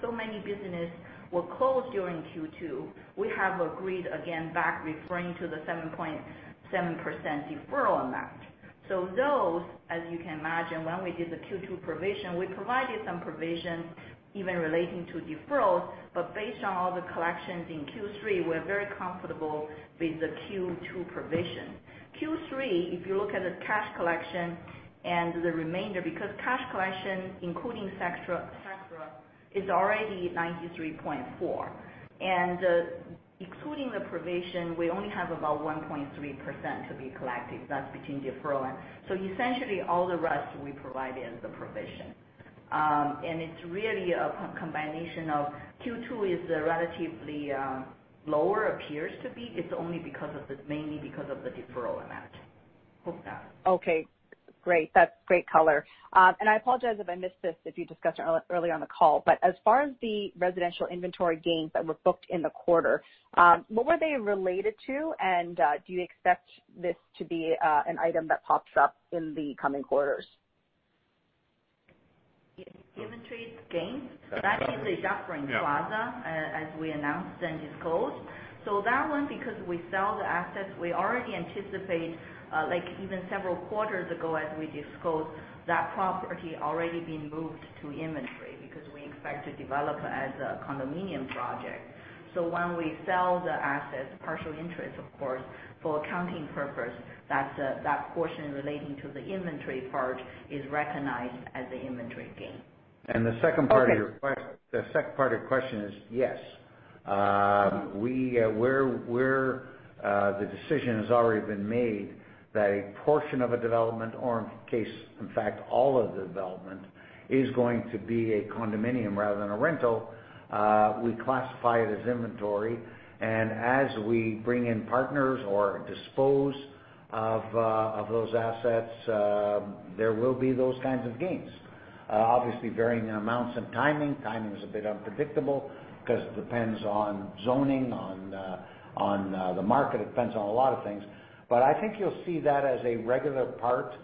so many businesses were closed during Q2, we have agreed again, back referring to the 7.7% deferral amount. Those, as you can imagine, when we did the Q2 provision, we provided some provision even relating to deferrals, but based on all the collections in Q3, we're very comfortable with the Q2 provision. Q3, if you look at the cash collection and the remainder, because cash collection, including CECRA, is already 93.4%. Excluding the provision, we only have about 1.3% to be collected. That's between deferral. Essentially all the rest we provide is the provision. It's really a combination of Q2 is relatively lower, appears to be. It's only mainly because of the deferral amount. Okay, great. That's great color. I apologize if I missed this, if you discussed it earlier on the call, but as far as the residential inventory gains that were booked in the quarter, what were they related to? Do you expect this to be an item that pops up in the coming quarters? Inventory gains? That's right. That is the Dufferin Plaza, as we announced and disclosed. That one, because we sell the assets, we already anticipate, like even several quarters ago as we disclosed, that property already being moved to inventory because we expect to develop as a condominium project. When we sell the assets, partial interest, of course, for accounting purpose, that portion relating to the inventory part is recognized as the inventory gain. The second part of your question is, yes. The decision has already been made that a portion of a development or in case, in fact, all of the development is going to be a condominium rather than a rental, we classify it as inventory, and as we bring in partners or dispose of those assets, there will be those kinds of gains. Obviously, varying amounts of timing. Timing is a bit unpredictable because it depends on zoning, on the market. It depends on a lot of things. I think you'll see that as a regular part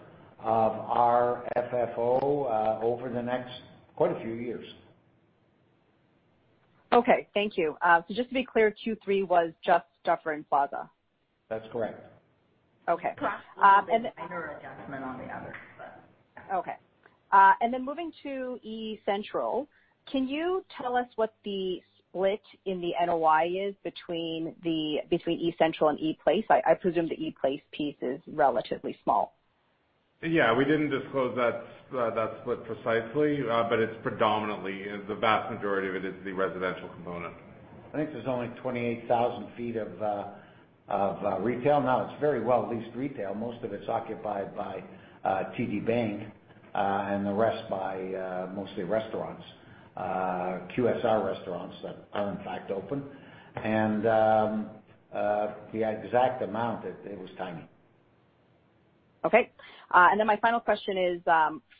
of our FFO, over the next quite a few years. Okay. Thank you. Just to be clear, Q3 was just Dufferin Plaza? That's correct. Okay. Perhaps a minor adjustment on the others, but yeah. Okay. Then moving to eCentral, can you tell us what the split in the NOI is between eCentral and ePlace? I presume the ePlace piece is relatively small. Yeah. We didn't disclose that split precisely. It's predominantly, the vast majority of it is the residential component. I think there's only 28,000 ft of retail now. It's very well leased retail. Most of it's occupied by TD Bank, and the rest by mostly restaurants, QSR restaurants that are in fact open. The exact amount, it was timing. Okay. My final question is,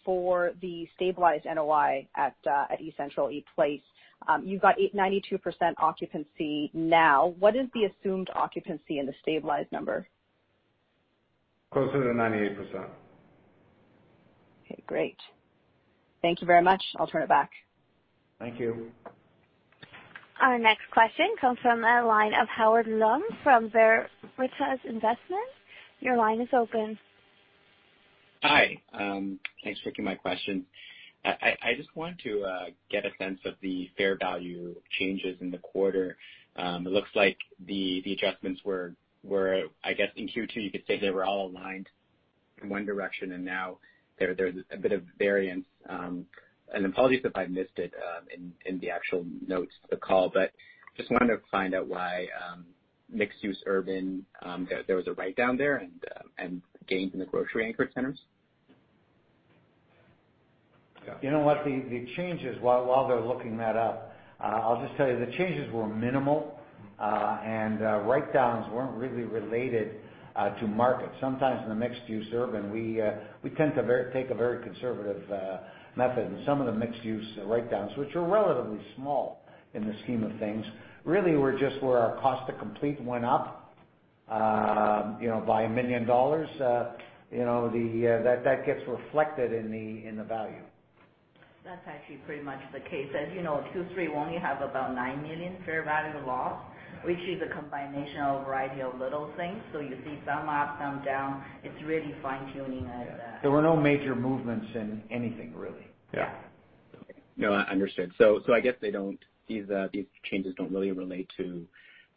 for the stabilized NOI at eCentral, ePlace, you've got 92% occupancy now. What is the assumed occupancy in the stabilized number? Closer to 98%. Okay, great. Thank you very much. I'll turn it back. Thank you. Our next question comes from the line of Howard Leung from Veritas Investment. Your line is open. Hi. Thanks for taking my question. I just wanted to get a sense of the fair value changes in the quarter. It looks like the adjustments were, I guess in Q2, you could say they were all aligned in one direction, and now there is a bit of variance. Apologies if I missed it in the actual notes of the call, but just wanted to find out why mixed-use urban, there was a write-down there and gains in the grocery anchor centers. You know what? The changes, while they're looking that up, I'll just tell you, the changes were minimal, and write-downs weren't really related to market. Sometimes in the mixed-use urban, we tend to take a very conservative method, and some of the mixed-use write-downs, which were relatively small in the scheme of things, really were just where our cost to complete went up by 1 million dollars, that gets reflected in the value. That's actually pretty much the case. As you know, Q3 only have about 9 million fair value of loss, which is a combination of a variety of little things. You see some up, some down. There were no major movements in anything, really. Yeah. No, understood. I guess these changes don't really relate to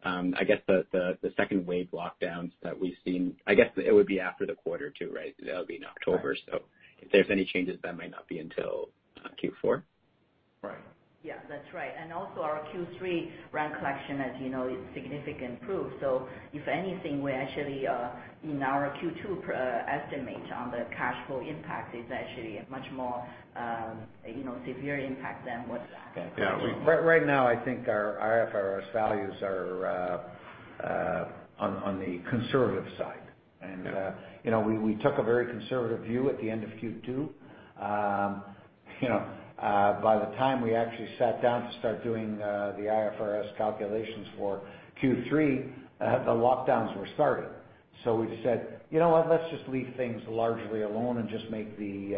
the second wave lockdowns that we've seen. I guess it would be after the quarter too, right? That would be in October. Right. If there's any changes, that might not be until Q4? Right. Yeah, that's right. Also our Q3 rent collection, you know, is significant proof. If anything, we actually, in our Q2 estimate on the cash flow impact, is actually a much more severe impact than what. Yeah. Right now, I think our IFRS values are on the conservative side. Yeah. We took a very conservative view at the end of Q2. By the time we actually sat down to start doing the IFRS calculations for Q3, the lockdowns were starting. We said, "You know what? Let's just leave things largely alone and just make the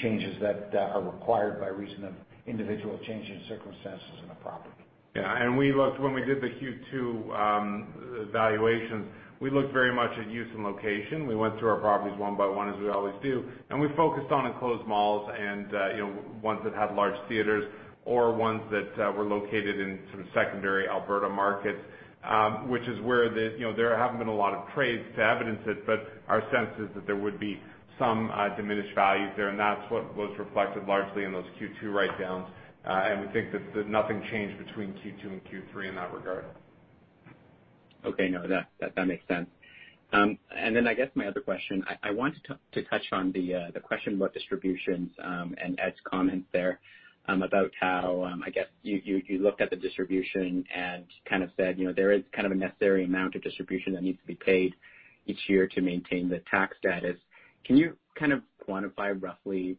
changes that are required by reason of individual changes in circumstances in the property. Yeah. When we did the Q2 evaluations, we looked very much at use and location. We went through our properties one by one, as we always do, and we focused on enclosed malls and ones that had large theaters or ones that were located in sort of secondary Alberta markets, which is where there haven't been a lot of trades to evidence it, but our sense is that there would be some diminished values there, and that's what was reflected largely in those Q2 write-downs. We think that nothing changed between Q2 and Q3 in that regard. Okay. No, that makes sense. I guess my other question, I wanted to touch on the question about distributions, and Ed's comments there about how you looked at the distribution and kind of said, there is kind of a necessary amount of distribution that needs to be paid each year to maintain the tax status. Can you kind of quantify roughly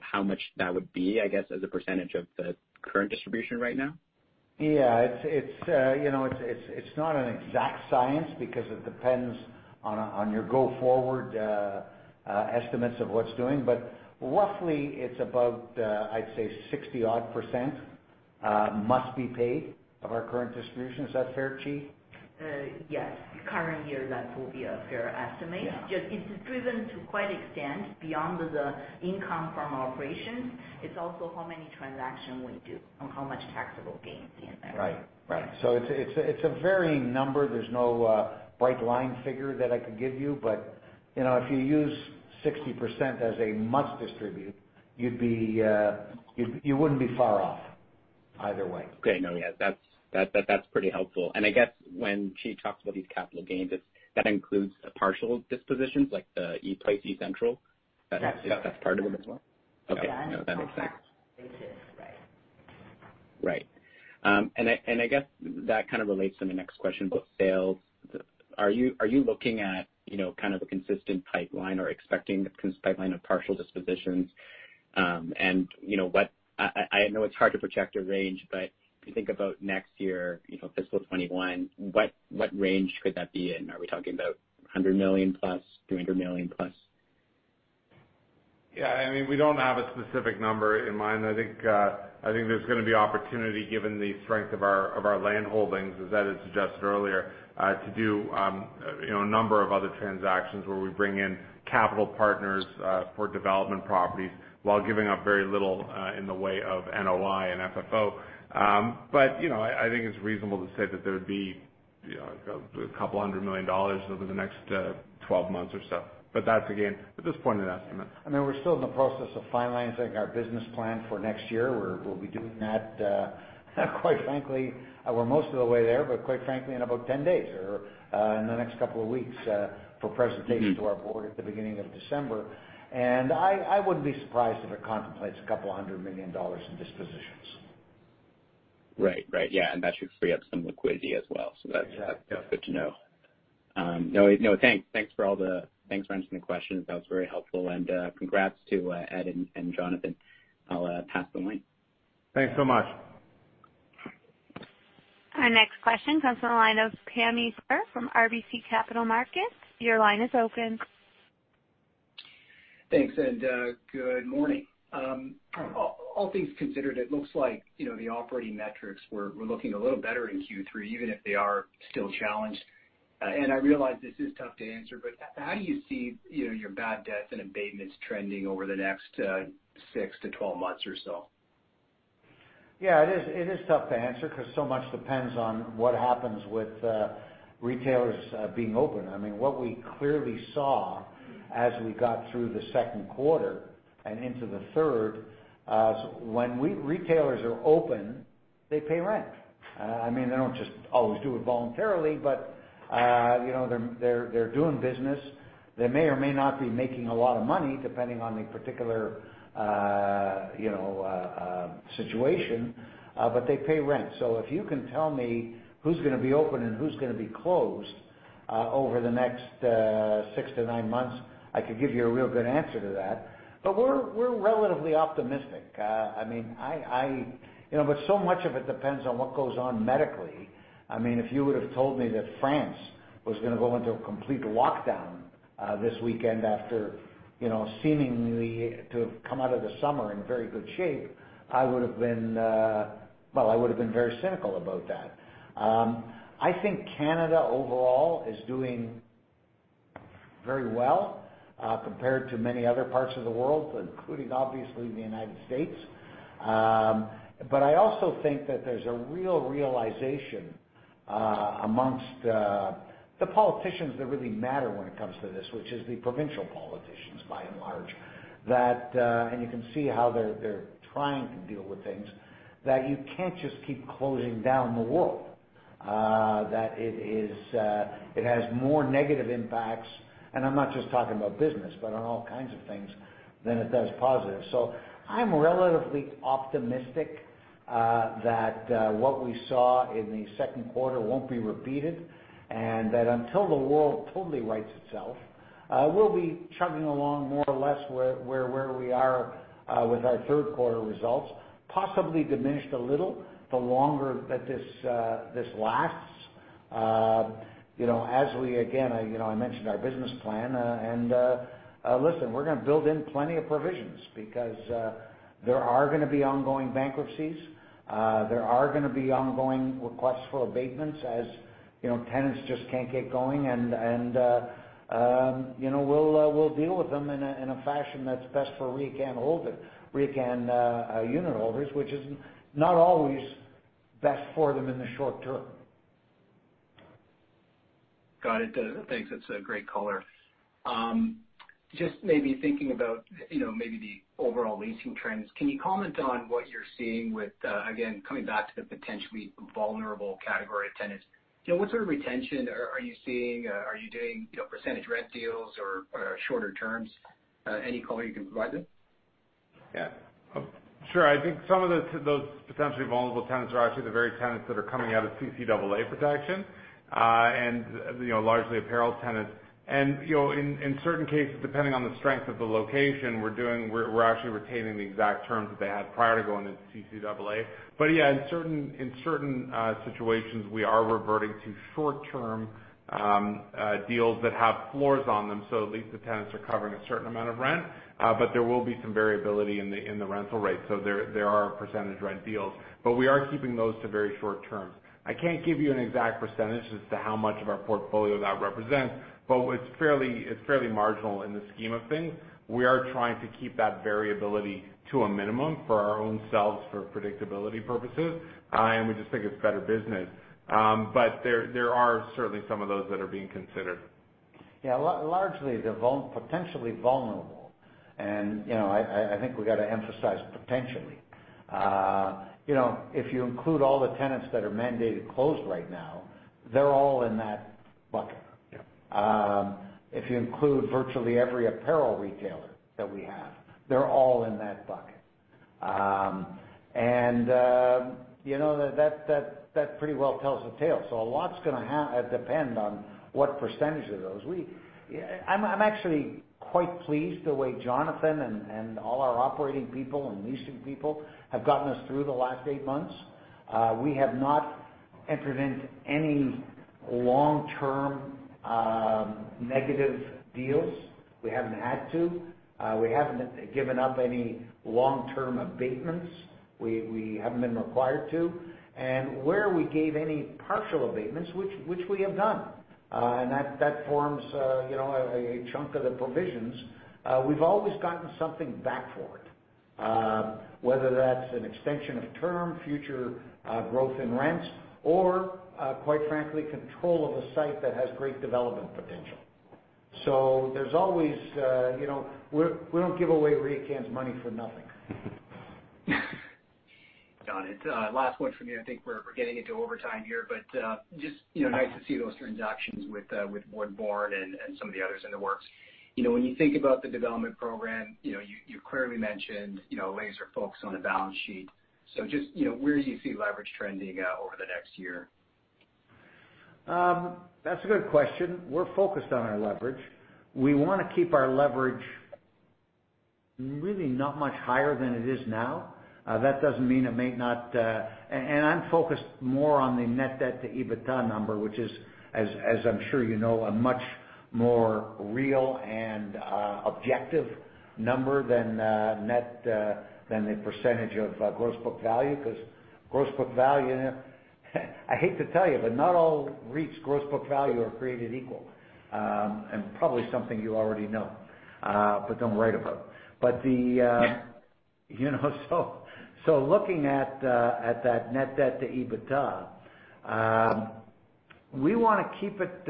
how much that would be, I guess, as a percentage of the current distribution right now? Yeah. It's not an exact science because it depends on your go forward estimates of what's doing. Roughly it's about, I'd say 60 odd % must be paid of our current distribution. Is that fair, Qi? Yes. Current year, that will be a fair estimate. Yeah. Just it's driven to quite extent beyond the income from operations. It's also how many transaction we do and how much taxable gains in there. Right. It's a varying number. There's no bright line figure that I could give you, but if you use 60% as a must distribute, you wouldn't be far off either way. Okay. No, yeah. That's pretty helpful. I guess when Qi talks about these capital gains, that includes partial dispositions like ePlace, eCentral? Yes. That's part of it as well? Yeah. Okay. No, that makes sense. Right. Right. I guess that kind of relates to my next question about sales. Are you looking at kind of a consistent pipeline or expecting the pipeline of partial dispositions? I know it's hard to project a range, but if you think about next year, fiscal 2021, what range could that be in? Are we talking about 100 million+, 200 million+? Yeah. We don't have a specific number in mind. I think there's going to be opportunity, given the strength of our land holdings, as Ed had suggested earlier, to do a number of other transactions where we bring in capital partners for development properties while giving up very little in the way of NOI and FFO. I think it's reasonable to say that there would be a couple hundred million CAD over the next 12 months or so. That's, again, at this point, an estimate. I mean, we're still in the process of finalizing our business plan for next year, where we'll be doing that, quite frankly, we're most of the way there, but quite frankly, in about 10 days or in the next couple of weeks, for presentation to our board at the beginning of December. I wouldn't be surprised if it contemplates 200 million dollars in dispositions. Right. Yeah, that should free up some liquidity as well. That's good to know. No, thanks for answering the questions. That was very helpful. Congrats to Ed and Jonathan. I'll pass the line. Thanks so much. Our next question comes from the line of Pammi Bir from RBC Capital Markets. Your line is open. Thanks, and good morning. All things considered, it looks like the operating metrics were looking a little better in Q3, even if they are still challenged. I realize this is tough to answer, but how do you see your bad debts and abatements trending over the next six to 12 months or so? Yeah, it is tough to answer because so much depends on what happens with retailers being open. What we clearly saw as we got through the second quarter and into the third, when retailers are open, they pay rent. They don't just always do it voluntarily, but they're doing business. They may or may not be making a lot of money, depending on the particular situation, but they pay rent. If you can tell me who's going to be open and who's going to be closed over the next six to nine months, I could give you a real good answer to that. We're relatively optimistic. So much of it depends on what goes on medically. If you would've told me that France was going to go into a complete lockdown This weekend after seemingly to have come out of the summer in very good shape, I would've been very cynical about that. I think Canada overall is doing very well compared to many other parts of the world, including obviously the U.S. I also think that there's a real realization amongst the politicians that really matter when it comes to this, which is the provincial politicians by and large. You can see how they're trying to deal with things, that you can't just keep closing down the world. That it has more negative impacts, and I'm not just talking about business, but on all kinds of things, than it does positive. I'm relatively optimistic that what we saw in the second quarter won't be repeated, and that until the world totally rights itself, we'll be chugging along more or less where we are with our third quarter results, possibly diminished a little the longer that this lasts. As we, again, I mentioned our business plan. Listen, we're going to build in plenty of provisions because there are going to be ongoing bankruptcies. There are going to be ongoing requests for abatements as tenants just can't keep going, and we'll deal with them in a fashion that's best for RioCan unit holders, which is not always best for them in the short term. Got it. Thanks. That's a great color. Just maybe thinking about maybe the overall leasing trends. Can you comment on what you're seeing with, again, coming back to the potentially vulnerable category of tenants. What sort of retention are you seeing? Are you doing percentage rent deals or shorter terms? Any color you can provide there? Sure. I think some of those potentially vulnerable tenants are actually the very tenants that are coming out of CCAA protection, and largely apparel tenants. In certain cases, depending on the strength of the location, we're actually retaining the exact terms that they had prior to going into CCAA. Yeah, in certain situations, we are reverting to short-term deals that have floors on them, so at least the tenants are covering a certain amount of rent. There will be some variability in the rental rates. There are percentage rent deals. We are keeping those to very short term. I can't give you an exact percentage as to how much of our portfolio that represents, but it's fairly marginal in the scheme of things. We are trying to keep that variability to a minimum for our own selves, for predictability purposes, and we just think it's better business. There are certainly some of those that are being considered. Yeah. Largely, they're potentially vulnerable. I think we got to emphasize potentially. If you include all the tenants that are mandated closed right now, they're all in that bucket. Yeah. If you include virtually every apparel retailer that we have, they're all in that bucket. That pretty well tells the tale. A lot's going to depend on what percentage of those. I'm actually quite pleased the way Jonathan and all our operating people and leasing people have gotten us through the last eight months. We have not entered into any long-term negative deals. We haven't had to. We haven't given up any long-term abatements. We haven't been required to. Where we gave any partial abatements, which we have done, and that forms a chunk of the provisions, we've always gotten something back for it. Whether that's an extension of term, future growth in rents, or, quite frankly, control of a site that has great development potential. We don't give away RioCan's money for nothing. Got it. Last one from me. I think we're getting into overtime here. Just nice to see those transactions with Woodbourne and some of the others in the works. When you think about the development program, you clearly mentioned laser focus on the balance sheet. Just where do you see leverage trending over the next year? That's a good question. We're focused on our leverage. We want to keep our leverage really not much higher than it is now. I'm focused more on the net debt to EBITDA number, which is, as I'm sure you know, a much more real and objective number than the percentage of gross book value. Gross book value, I hate to tell you, but not all REITs gross book value are created equal. Probably something you already know, but don't write about. Looking at that net debt to EBITDA, we want to keep it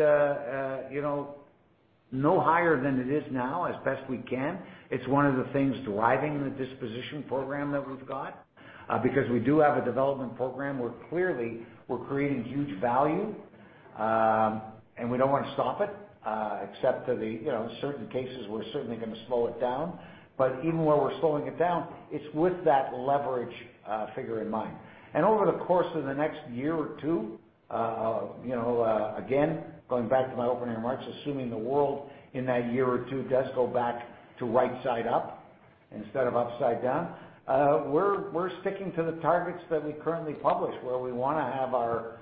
no higher than it is now as best we can. It's one of the things driving the disposition program that we've got. We do have a development program where clearly we're creating huge value, and we don't want to stop it, except to the certain cases, we're certainly going to slow it down. Even while we're slowing it down, it's with that leverage figure in mind. Over the course of the next year or two, again, going back to my opening remarks, assuming the world in that year or two does go back to right side up instead of upside down. We're sticking to the targets that we currently publish, where we want to have our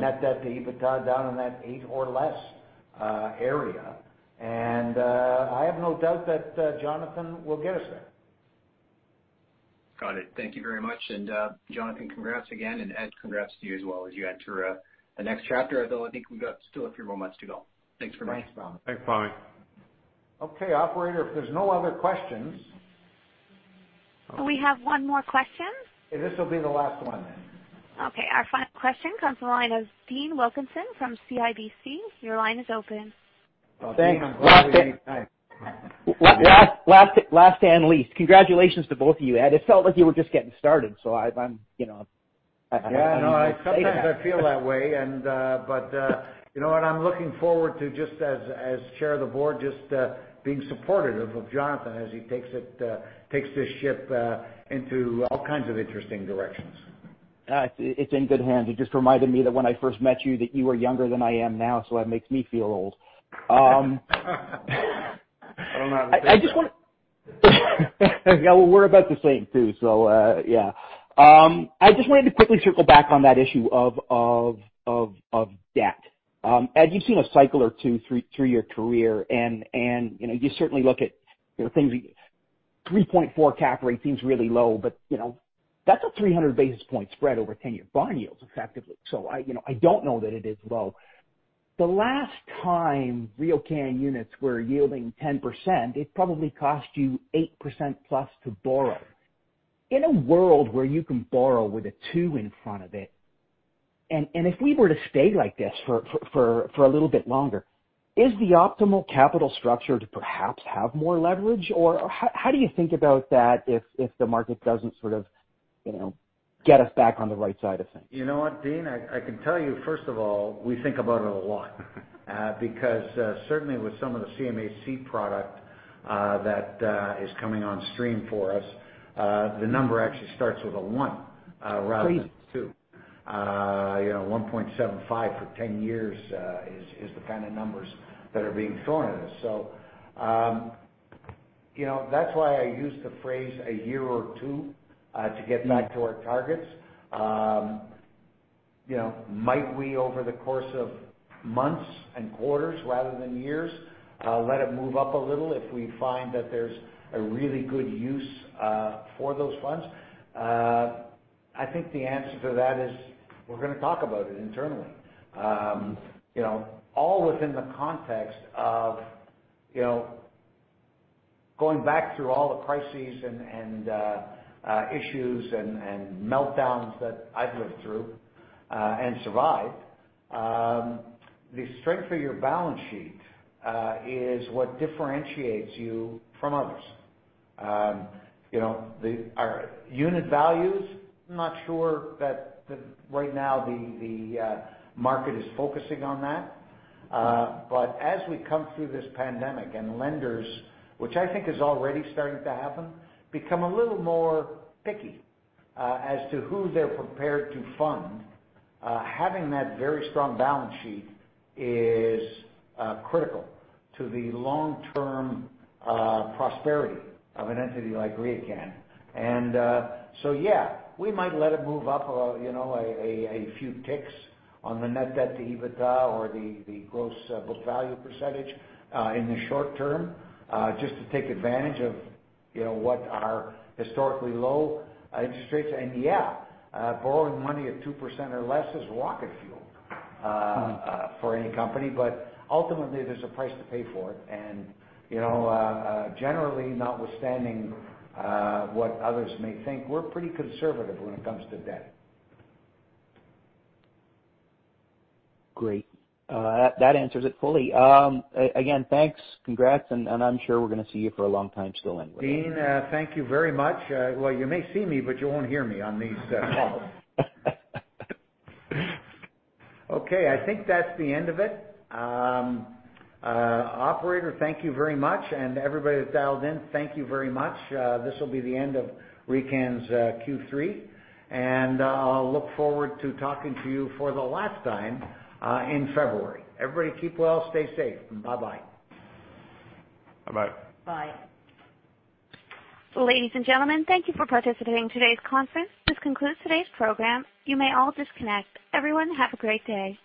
net debt to EBITDA down in that eight or less area. I have no doubt that Jonathan will get us there. Got it. Thank you very much. Jonathan, congrats again, and Ed, congrats to you as well as you enter the next chapter, although I think we've got still a few more months to go. Thanks very much. Thanks, Pammi. Okay, operator, if there's no other questions. We have one more question. This will be the last one, then. Okay. Our final question comes from the line of Dean Wilkinson from CIBC. Dean, I'm glad we made time. Last and least, congratulations to both of you. Ed, it felt like you were just getting started. Yeah. No, sometimes I feel that way. You know what? I'm looking forward to, just as Chair of the Board, just being supportive of Jonathan as he takes this ship into all kinds of interesting directions. It's in good hands. It just reminded me that when I first met you that you were younger than I am now, so that makes me feel old. I don't know how to take that. Yeah, well, we're about the same, too. Yeah. I just wanted to quickly circle back on that issue of debt. Ed, you've seen a cycle or two through your career, and you certainly look at things, 3.4 cap rate seems really low, but that's a 300 basis point spread over 10 year bond yields, effectively. I don't know that it is low. The last time RioCan units were yielding 10%, it probably cost you 8%+ to borrow. In a world where you can borrow with a two in front of it, and if we were to stay like this for a little bit longer, is the optimal capital structure to perhaps have more leverage? How do you think about that if the market doesn't sort of get us back on the right side of things? You know what, Dean? I can tell you, first of all, we think about it a lot. Certainly with some of the CMHC product that is coming on stream for us, the number actually starts with a one rather than a two. Please. 1.75 for 10 years is the kind of numbers that are being thrown at us. That's why I used the phrase a year or two to get back to our targets. Might we, over the course of months and quarters rather than years, let it move up a little if we find that there's a really good use for those funds? I think the answer to that is we're going to talk about it internally. All within the context of going back through all the crises and issues and meltdowns that I've lived through and survived, the strength of your balance sheet is what differentiates you from others. Our unit values, I'm not sure that right now the market is focusing on that. As we come through this pandemic and lenders, which I think is already starting to happen, become a little more picky as to who they're prepared to fund, having that very strong balance sheet is critical to the long-term prosperity of an entity like RioCan. So yeah, we might let it move up a few ticks on the net debt to EBITDA or the gross book value percentage in the short term, just to take advantage of what are historically low interest rates. Yeah, borrowing money at 2% or less is rocket fuel for any company. Ultimately, there's a price to pay for it. Generally, notwithstanding what others may think, we're pretty conservative when it comes to debt. Great. That answers it fully. Again, thanks, congrats, and I'm sure we're going to see you for a long time still anyway. Dean, thank you very much. Well, you may see me, but you won't hear me on these calls. Okay, I think that's the end of it. Operator, thank you very much, and everybody that dialed in, thank you very much. This will be the end of RioCan's Q3. I'll look forward to talking to you for the last time in February. Everybody keep well, stay safe, and bye-bye. Bye-bye. Bye. Ladies and gentlemen, thank you for participating in today's conference. This concludes today's program. You may all disconnect. Everyone have a great day.